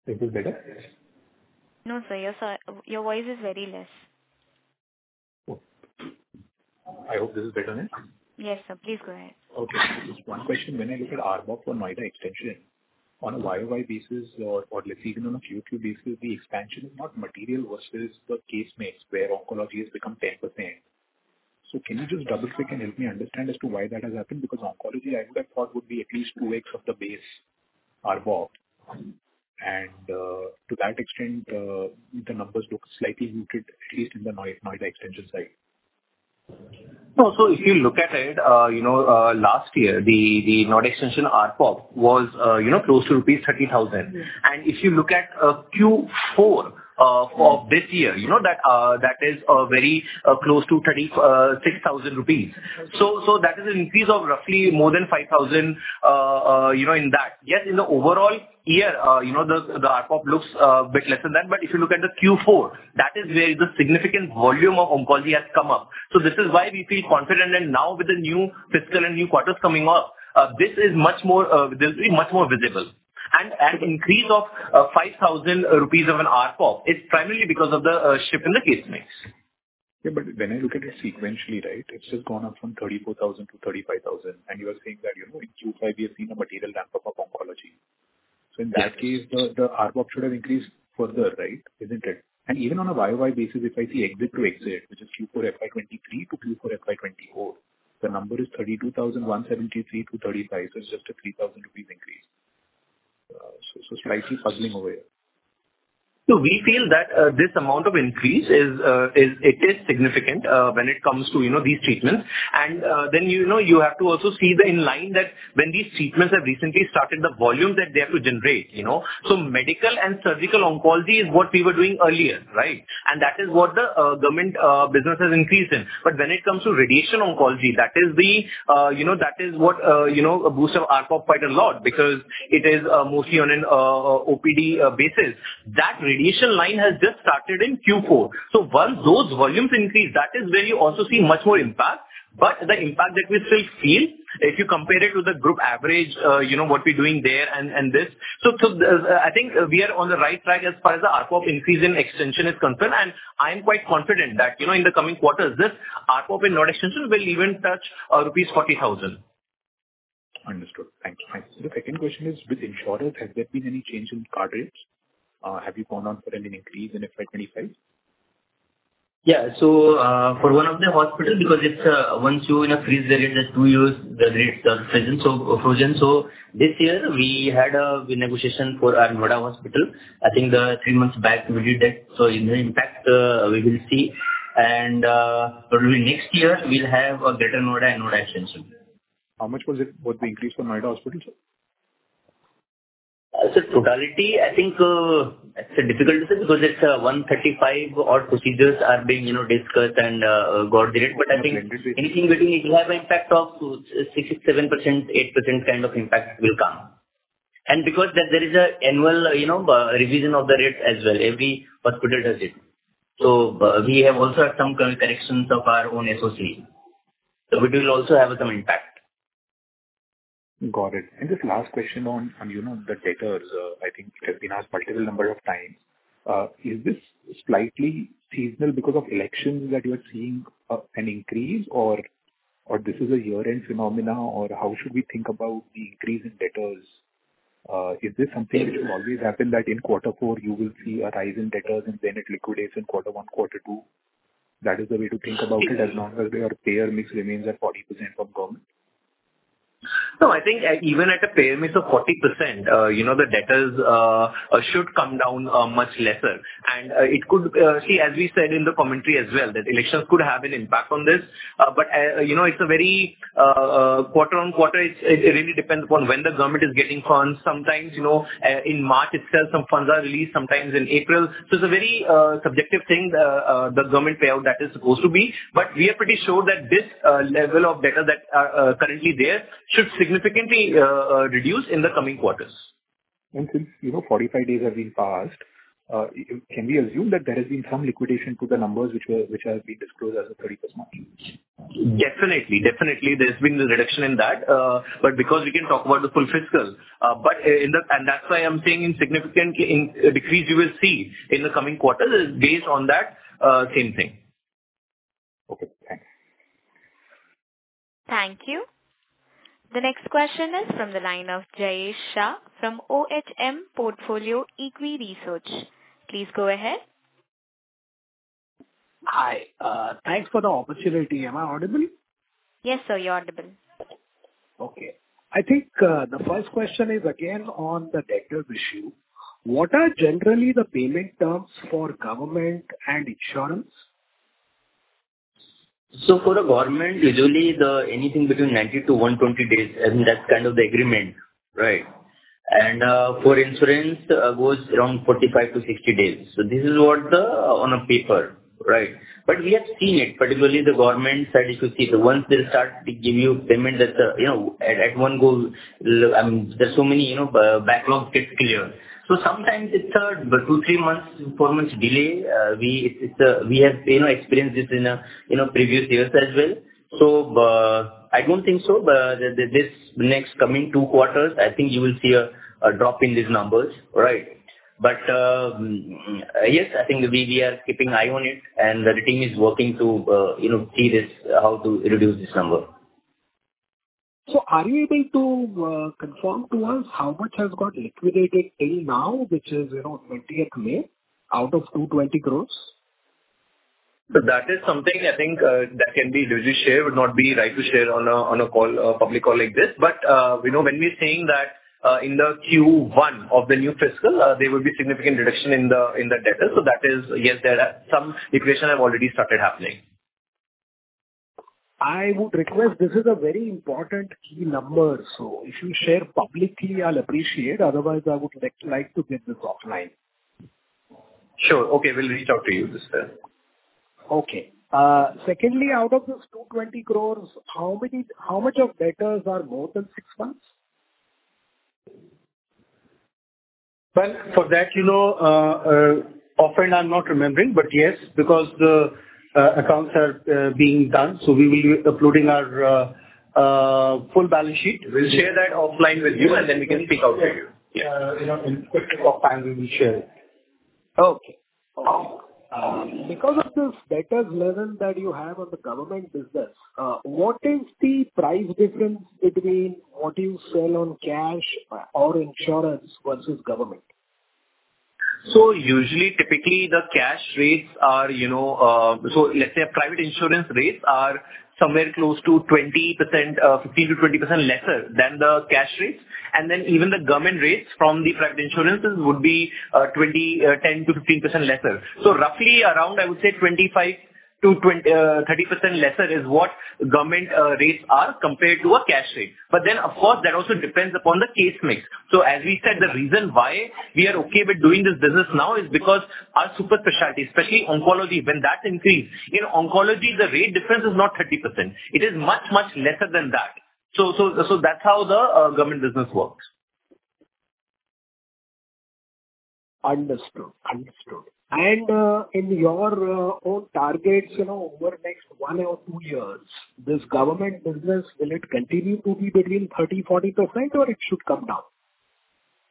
Is this better? No, sir. Your voice is very less. I hope this is better, right? Yes, sir. Please go ahead. Okay. Just one question. When I look at ARPOB for Noida Extension, on a YoY basis or let's say even on a QQ basis, the expansion is not material versus the case mix where oncology has become 10%. So, can you just double-click and help me understand as to why that has happened? Because oncology, I would have thought, would be at least 2x of the base ARPOB. And to that extent, the numbers look slightly muted, at least in the Noida Extension side. No. So, if you look at it, last year, the Noida Extension ARPOB was close to rupees 30,000. And if you look at Q4 of this year, that is very close to 36,000 rupees. So, that is an increase of roughly more than 5,000 in that. Yes, in the overall year, the ARPOB looks a bit less than that. But if you look at the Q4, that is where the significant volume of oncology has come up. So, this is why we feel confident. And now, with the new fiscal and new quarters coming up, this is much more there'll be much more visible. And an increase of 5,000 rupees of an ARPOB is primarily because of the shift in the case mix. Yeah. But when I look at it sequentially, right, it's just gone up from 34,000 to 35,000. And you are saying that in Q5, we have seen a material ramp-up of oncology. So, in that case, the ARPOB should have increased further, right, isn't it? And even on a YoY basis, if I see exit to exit, which is Q4 FY 2023 to Q4 FY 2024, the number is 32,173 to 35,000. So, it's just an 3,000 rupees increase. So, slightly puzzling over here. So, we feel that this amount of increase, it is significant when it comes to these treatments. And then you have to also see in line that when these treatments have recently started, the volume that they have to generate. So, medical and surgical oncology is what we were doing earlier, right? And that is what the government business has increased in. But when it comes to radiation oncology, that is what boosts up ARPOB quite a lot because it is mostly on an OPD basis. That radiation line has just started in Q4. So, once those volumes increase, that is where you also see much more impact. But the impact that we still feel, if you compare it with the group average, what we're doing there and this, so I think we are on the right track as far as the ARPOB increase in Noida Extension is concerned. And I am quite confident that in the coming quarters, this ARPOB in Noida Extension will even touch rupees 40,000. Understood. Thank you. Thank you. The second question is, with insurance, has there been any change in card rates? Have you gone on for any increase in FY25? Yeah. So, for one of the hospitals, because once you freeze the rate, the two years, the rates are frozen. So, this year, we had a negotiation for our Noida Hospital. I think three months back, we did that. So, in the impact, we will see. And probably next year, we'll have a Greater Noida and Noida Extension. How much was it, what the increase for Noida Hospital, sir? Sir, totality, I think it's difficult to say because it's 135-odd procedures are being discussed and got the rate. But I think anything we're doing, it will have an impact of 6%, 7%, 8% kind of impact will come. And because there is an annual revision of the rates as well, every hospital does it. So, we have also had some corrections of our own SOC. So, it will also have some impact. Got it. And just last question on the debtors. I think it has been asked multiple number of times. Is this slightly seasonal because of elections that you are seeing an increase, or this is a year-end phenomena? Or how should we think about the increase in debtors? Is this something which will always happen, that in quarter four, you will see a rise in debtors, and then it liquidates in quarter one, quarter two? That is the way to think about it as long as your payer mix remains at 40% from government? No. I think even at a payer mix of 40%, the debtors should come down much lesser. It could see, as we said in the commentary as well, that elections could have an impact on this. It's a very quarter-on-quarter. It really depends upon when the government is getting funds. Sometimes, in March itself, some funds are released, sometimes in April. It's a very subjective thing, the government payout that is supposed to be. We are pretty sure that this level of debtors that are currently there should significantly reduce in the coming quarters. Since 45 days have been passed, can we assume that there has been some liquidation to the numbers which have been disclosed as of 31st March? Definitely. Definitely. There's been a reduction in that. But because we can talk about the full fiscal but and that's why I'm saying a significant decrease you will see in the coming quarters is based on that same thing. Okay. Thanks. Thank you. The next question is from the line of Jayesh Shah from OHM Portfolio Equi Research. Please go ahead. Hi. Thanks for the opportunity. Am I audible? Yes, sir. You're audible. Okay. I think the first question is, again, on the debtors' issue. What are generally the payment terms for government and insurance? So, for the government, usually, anything between 90-120 days, I mean, that's kind of the agreement, right? And for insurance, it goes around 45-60 days. So, this is what the on a paper, right? But we have seen it, particularly the government side, if you see it, once they start to give you payment, that's at one go I mean, there's so many backlogs get cleared. So, sometimes, it's a two, three months, four months delay. We have experienced this in previous years as well. So, I don't think so. But this next coming 2 quarters, I think you will see a drop in these numbers, right? But yes, I think we are keeping an eye on it. And the team is working to see how to reduce this number. Are you able to confirm to us how much has got liquidated till now, which is 20th May, out of 220 crore? So, that is something, I think, that can be a detailed share. It would not be right to share on a public call like this. But when we're saying that in the Q1 of the new fiscal, there will be significant reduction in the debtors, so that is yes, some liquidation have already started happening. I would request this is a very important key number. So, if you share publicly, I'll appreciate it. Otherwise, I would like to get this offline. Sure. Okay. We'll reach out to you this time. Okay. Secondly, out of those 220 crores, how much of debtors are more than six months? Well, for that, often, I'm not remembering. But yes, because the accounts are being done, so we will be uploading our full balance sheet. We'll share that offline with you, and then we can speak out to you. In a interest of time, we will share it. Okay. Okay. Because of this debtors' level that you have on the government business, what is the price difference between what you sell on cash or insurance versus government? So, usually, typically, the cash rates are so, let's say, private insurance rates are somewhere close to 15%-20% lesser than the cash rates. Then even the government rates from the private insurances would be 10%-15% lesser. So, roughly around, I would say, 25%-30% lesser is what government rates are compared to a cash rate. But then, of course, that also depends upon the case mix. So, as we said, the reason why we are okay with doing this business now is because our super specialty, especially oncology, when that increase, in oncology, the rate difference is not 30%. It is much, much lesser than that. So, that's how the government business works. Understood. Understood. In your own targets, over the next one or two years, this government business, will it continue to be between 30%-40%, or it should come down?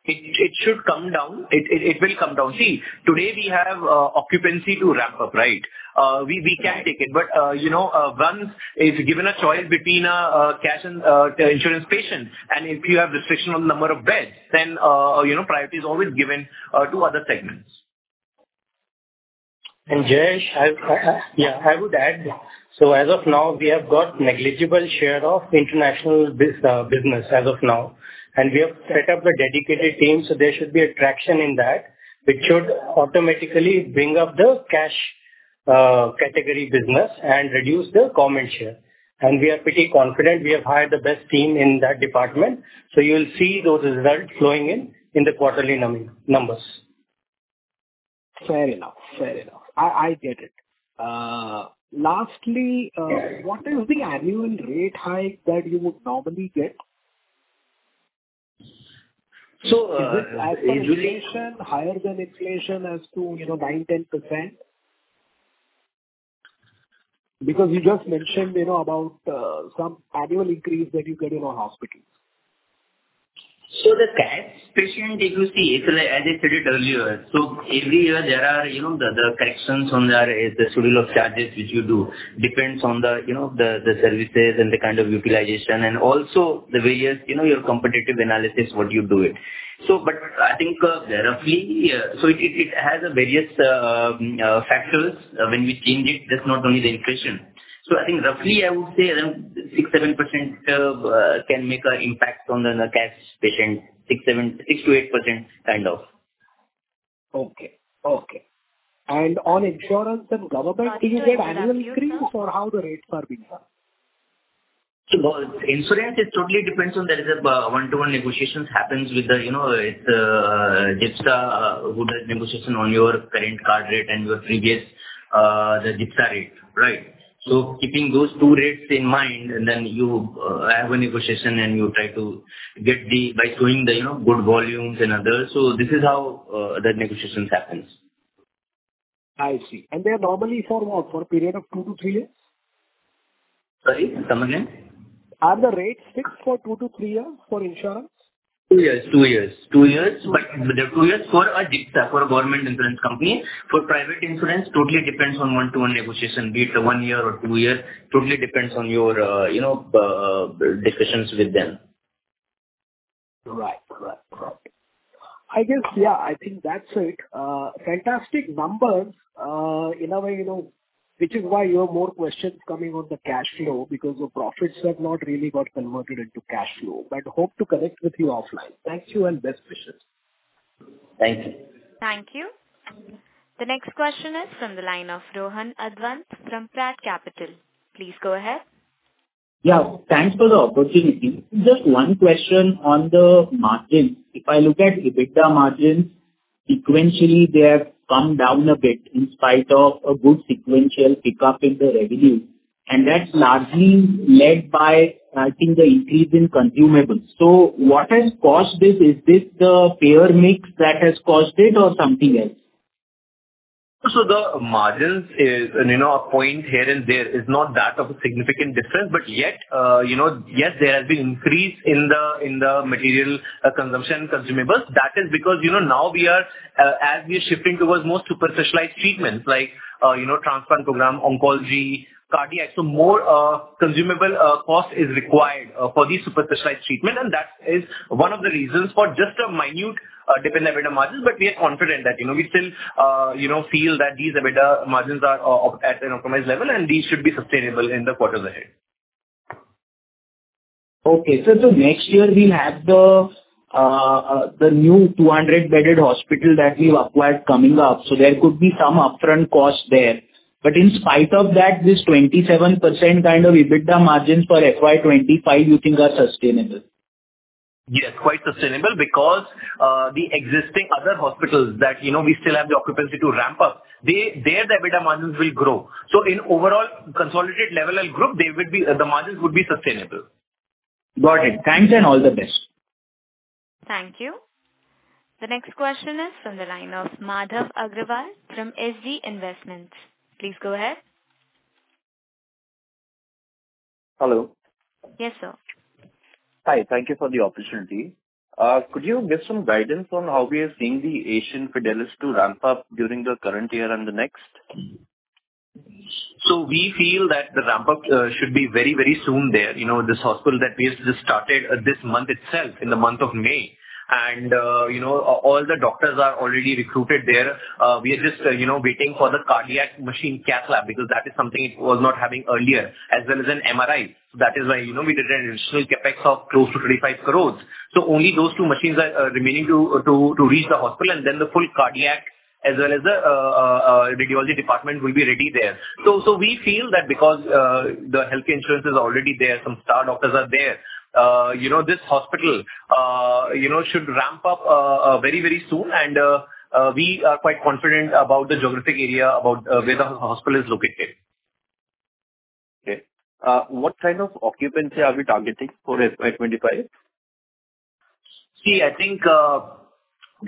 It should come down. It will come down. See, today, we have occupancy to ramp up, right? We can take it. But once it's given a choice between a cash and insurance patient, and if you have restriction on the number of beds, then priority is always given to other segments. Jayesh, yeah, I would add. So, as of now, we have got negligible share of international business as of now. And we have set up a dedicated team, so there should be traction in that, which should automatically bring up the cash category business and reduce the government share. And we are pretty confident we have hired the best team in that department. So, you'll see those results flowing in in the quarterly numbers. Fair enough. Fair enough. I get it. Lastly, what is the annual rate hike that you would normally get? Is it higher than inflation as to 9%-10%? Because you just mentioned about some annual increase that you get in our hospitals. So, the cash patient, if you see, as I stated earlier, so every year, there are the corrections on the Schedule of Charges which you do. It depends on the services and the kind of utilization and also the various your competitive analysis, what you do it. But I think roughly, so it has various factors. When we change it, that's not only the inflation. So, I think roughly, I would say 6%-7% can make an impact on the cash patient, 6%-8% kind of. Okay. Okay. On insurance and government, do you get annual increase, or how the rates are being held? So, insurance, it totally depends on there is a one-to-one negotiation happens with the, it's GIPSA who does negotiation on your current card rate and your previous the GIPSA rate, right? So, keeping those two rates in mind, and then you have a negotiation, and you try to get the by showing the good volumes and others. So, this is how the negotiations happens. I see. They're normally for what, for a period of two-three years? Sorry? Come again? Are the rates fixed for two-three years for insurance? Two years. Two years. Two years. But they're two years for a GIPSA, for a government insurance company. For private insurance, totally depends on one-to-one negotiation, be it one year or two year. It totally depends on your discussions with them. Right. Right. Right. I guess, yeah, I think that's it. Fantastic numbers in a way, which is why you have more questions coming on the cash flow because your profits have not really got converted into cash flow. But hope to connect with you offline. Thank you and best wishes. Thank you. Thank you. The next question is from the line of Rohan Advant from Multi-Act Equity Consultancy. Please go ahead. Yeah. Thanks for the opportunity. Just one question on the margins. If I look at EBITDA margins, sequentially, they have come down a bit in spite of a good sequential pickup in the revenue. And that's largely led by, I think, the increase in consumables. So, what has caused this? Is this the payer mix that has caused it or something else? So, the margins is a point here and there. It's not that of a significant difference. But yet, yes, there has been increase in the material consumption consumables. That is because now we are, as we are shifting towards more specialized treatments like transplant program, oncology, cardiac. So, more consumable cost is required for these specialized treatments. And that is one of the reasons for just a minor dip in EBITDA margins. We are confident that we still feel that these EBITDA margins are at an optimized level, and these should be sustainable in the quarters ahead. Okay. So, next year, we'll have the new 200-bedded hospital that we've acquired coming up. So, there could be some upfront cost there. But in spite of that, this 27% kind of EBITDA margins for FY25, you think are sustainable? Yes, quite sustainable because the existing other hospitals that we still have the occupancy to ramp up, their EBITDA margins will grow. So, in overall consolidated level and group, the margins would be sustainable. Got it. Thanks and all the best. Thank you. The next question is from the line of Madhav Agrawal from SG Investments. Please go ahead. Hello. Yes, sir. Hi. Thank you for the opportunity. Could you give some guidance on how we are seeing the Asian Fidelis to ramp up during the current year and the next? So, we feel that the ramp-up should be very, very soon there, this hospital that we have just started this month itself, in the month of May. And all the doctors are already recruited there. We are just waiting for the cardiac machine Cath Lab because that is something it was not having earlier, as well as an MRI. That is why we did an additional CapEx of close to 25 crore. So, only those two machines are remaining to reach the hospital. And then the full cardiac, as well as the radiology department, will be ready there. So, we feel that because the healthcare insurance is already there, some star doctors are there, this hospital should ramp up very, very soon. And we are quite confident about the geographic area, about where the hospital is located. Okay. What kind of occupancy are we targeting for FY2025? See, I think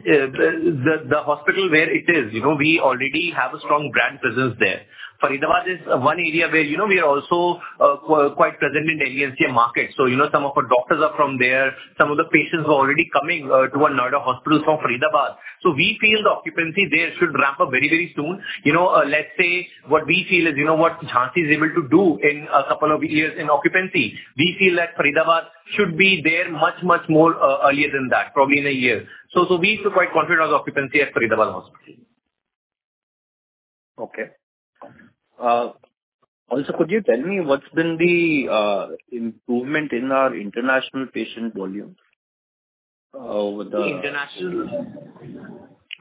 the hospital where it is, we already have a strong brand presence there. Faridabad is one area where we are also quite present in the ADNCA market. So, some of our doctors are from there. Some of the patients are already coming to another hospital from Faridabad. So, we feel the occupancy there should ramp up very, very soon. Let's say what we feel is what Jhansi is able to do in a couple of years in occupancy, we feel that Faridabad should be there much, much more earlier than that, probably in a year. So, we feel quite confident on the occupancy at Faridabad Hospital. Okay. Also, could you tell me what's been the improvement in our international patient volume over the? The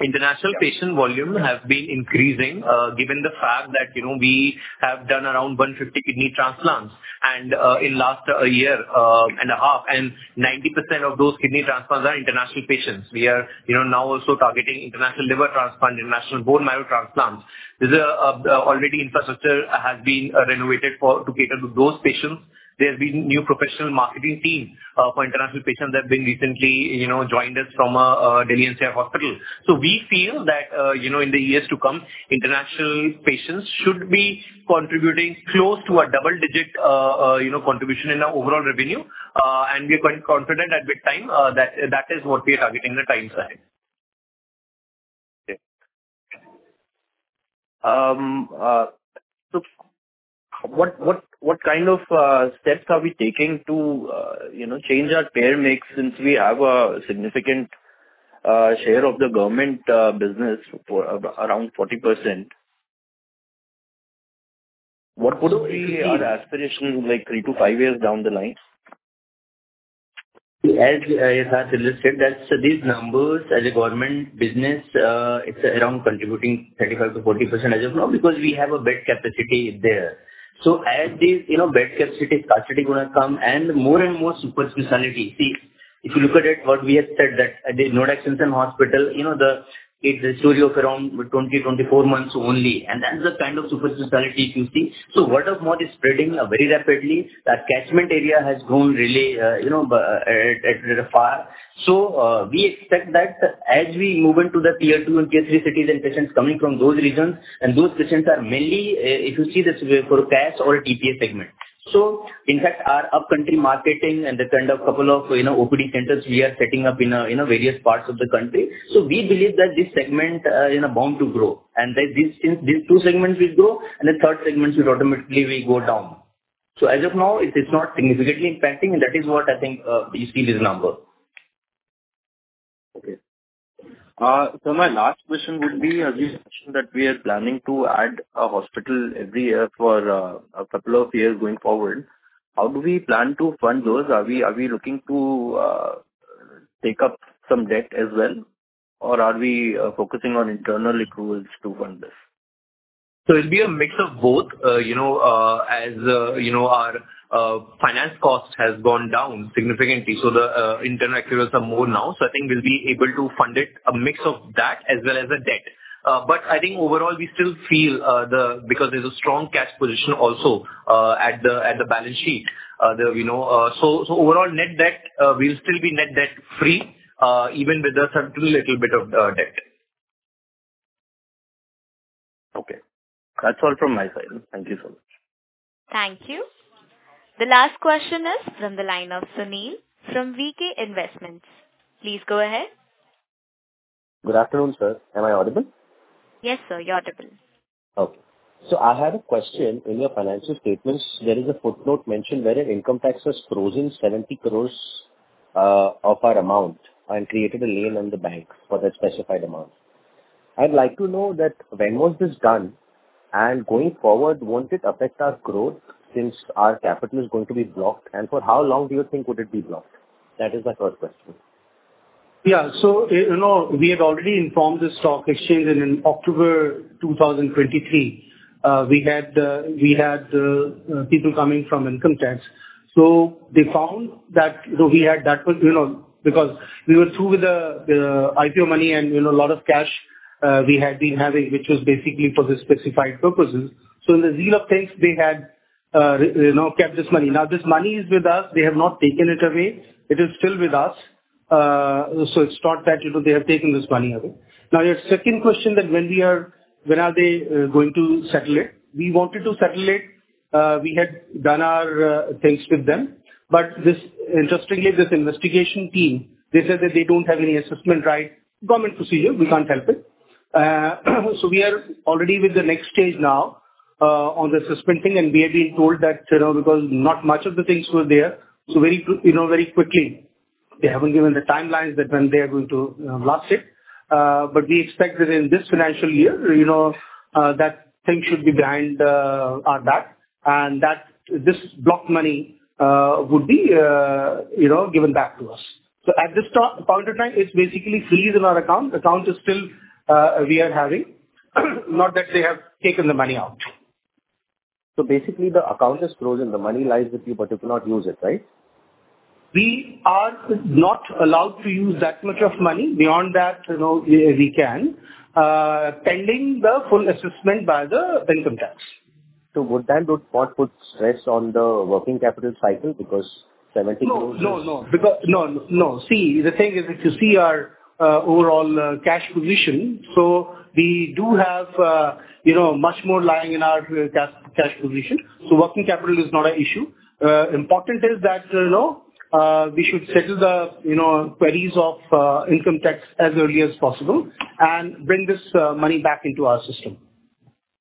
international patient volume has been increasing given the fact that we have done around 150 kidney transplants. And in the last year and a half, and 90% of those kidney transplants are international patients. We are now also targeting international liver transplant, international bone marrow transplants. Already, infrastructure has been renovated to cater to those patients. There's been a new professional marketing team for international patients that have been recently joined us from a Delhi-based hospital. So, we feel that in the years to come, international patients should be contributing close to a double-digit contribution in our overall revenue. And we are quite confident at this time that that is what we are targeting in the time ahead. Okay. What kind of steps are we taking to change our payer mix since we have a significant share of the government business, around 40%? What would be our aspiration three to five years down the line? As you have just said, these numbers as a government business, it's around contributing 35%-40% as of now because we have a bed capacity there. So, as these bed capacity is going to come and more and more super specialty see, if you look at it, what we have said that at the Noida Extension Hospital, it's a story of around 20-24 months only. And that's the kind of super specialty if you see. So, word of mouth is spreading very rapidly. That catchment area has grown really far. So, we expect that as we move into the tier two and tier three cities and patients coming from those regions, and those patients are mainly, if you see this, for cash or TPA segment. So, in fact, our up-country marketing and the kind of couple of OPD centers we are setting up in various parts of the country. We believe that this segment is bound to grow. Since these two segments will grow, and the third segment will automatically go down. As of now, it is not significantly impacting. That is what I think you see in this number. Okay. So, my last question would be, as you mentioned that we are planning to add a hospital every year for a couple of years going forward, how do we plan to fund those? Are we looking to take up some debt as well, or are we focusing on internal accruals to fund this? So, it'll be a mix of both. As our finance cost has gone down significantly, so the internal accruals are more now. So, I think we'll be able to fund it, a mix of that, as well as a debt. But I think overall, we still feel the because there's a strong cash position also at the balance sheet. So, overall, net debt, we'll still be net debt-free even with a certain little bit of debt. Okay. That's all from my side. Thank you so much. Thank you. The last question is from the line of Suneel from VK Investments. Please go ahead. Good afternoon, sir. Am I audible? Yes, sir. You're audible. Okay. So, I had a question. In your financial statements, there is a footnote mentioned where an income tax has frozen 70 crore of our amount and created a lien on the banks for that specified amount. I'd like to know that when was this done? And going forward, won't it affect our growth since our capital is going to be blocked? And for how long do you think would it be blocked? That is my first question. Yeah. So, we had already informed the stock exchange. In October 2023, we had people coming from Income Tax. So, they found that we had that because we were through with the IPO money and a lot of cash we had been having, which was basically for the specified purposes. So, in the scheme of things, they had kept this money. Now, this money is with us. They have not taken it away. It is still with us. So, it's not that they have taken this money away. Now, your second question that when are they going to settle it? We wanted to settle it. We had done our things with them. But interestingly, this investigation team, they said that they don't have any assessment, right? Government procedure. We can't help it. So, we are already with the next stage now on the proceedings. We have been told that because not much of the things were there, so very quickly, they haven't given the timelines that when they are going to pass it. But we expect that in this financial year, that thing should be behind our back. And this blocked money would be given back to us. So, at this point in time, it's basically frozen in our account. The account is still we are having. Not that they have taken the money out. Basically, the account is frozen, the money lies with you, but you cannot use it, right? We are not allowed to use that much of money. Beyond that, we can, pending the full assessment by the Income Tax. Would that not put stress on the working capital cycle because 70 crore is? No, no, no. No, no. See, the thing is, if you see our overall cash position, so we do have much more lying in our cash position. So, working capital is not an issue. Important is that we should settle the queries of income tax as early as possible and bring this money back into our system.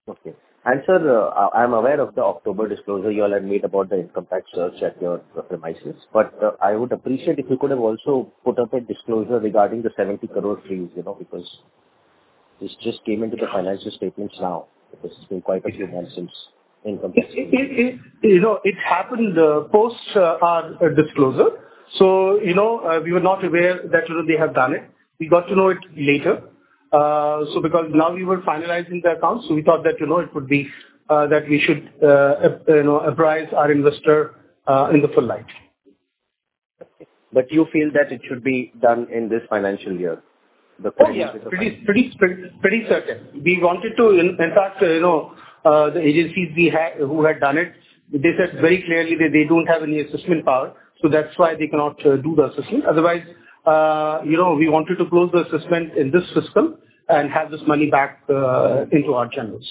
Okay. And, sir, I'm aware of the October disclosure you all had made about the income tax search at your premises. But I would appreciate if you could have also put up a disclosure regarding the 70 crore freeze because this just came into the financial statements now. It's been quite a few months since income tax freeze. It happened post our disclosure. So, we were not aware that they have done it. We got to know it later because now we were finalizing the accounts. So, we thought that it would be that we should apprise our investor in the full light. You feel that it should be done in this financial year, the queries? Oh, yeah. Pretty certain. We wanted to in fact, the agencies who had done it, they said very clearly that they don't have any assessment power. So, that's why they cannot do the assessment. Otherwise, we wanted to close the assessment in this system and have this money back into our channels.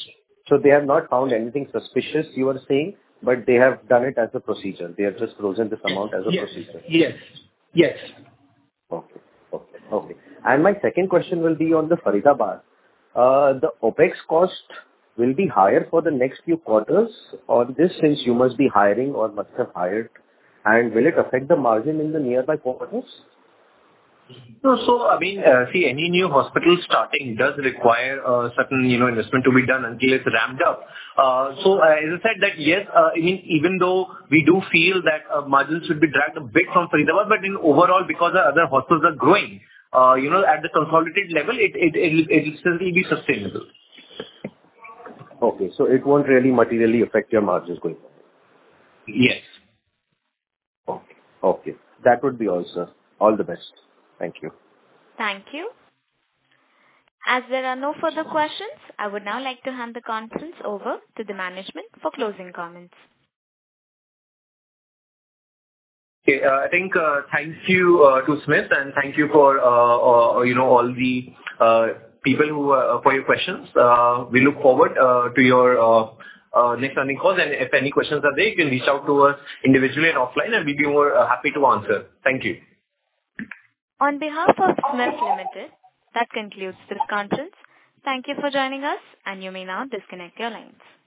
So, they have not found anything suspicious, you are saying, but they have done it as a procedure. They have just frozen this amount as a procedure? Yes. Yes. Yes. Okay. My second question will be on the Faridabad. The OpEx cost will be higher for the next few quarters on this since you must be hiring or must have hired. Will it affect the margin in the nearby quarters? So, I mean, see, any new hospital starting does require a certain investment to be done until it's ramped up. So, as I said, that yes, I mean, even though we do feel that margins should be dragged a bit from Faridabad, but overall, because other hospitals are growing, at the consolidated level, it will still be sustainable. Okay. So, it won't really materially affect your margins going forward? Yes. Okay. Okay. That would be all, sir. All the best. Thank you. Thank you. As there are no further questions, I would now like to hand the conference over to the management for closing comments. Okay. I think, thank you to SMIFS. Thank you for all the people for your questions. We look forward to your next funding call. If any questions are there, you can reach out to us individually and offline, and we'll be more happy to answer. Thank you. On behalf of SMIFS Limited, that concludes this conference. Thank you for joining us. You may now disconnect your lines.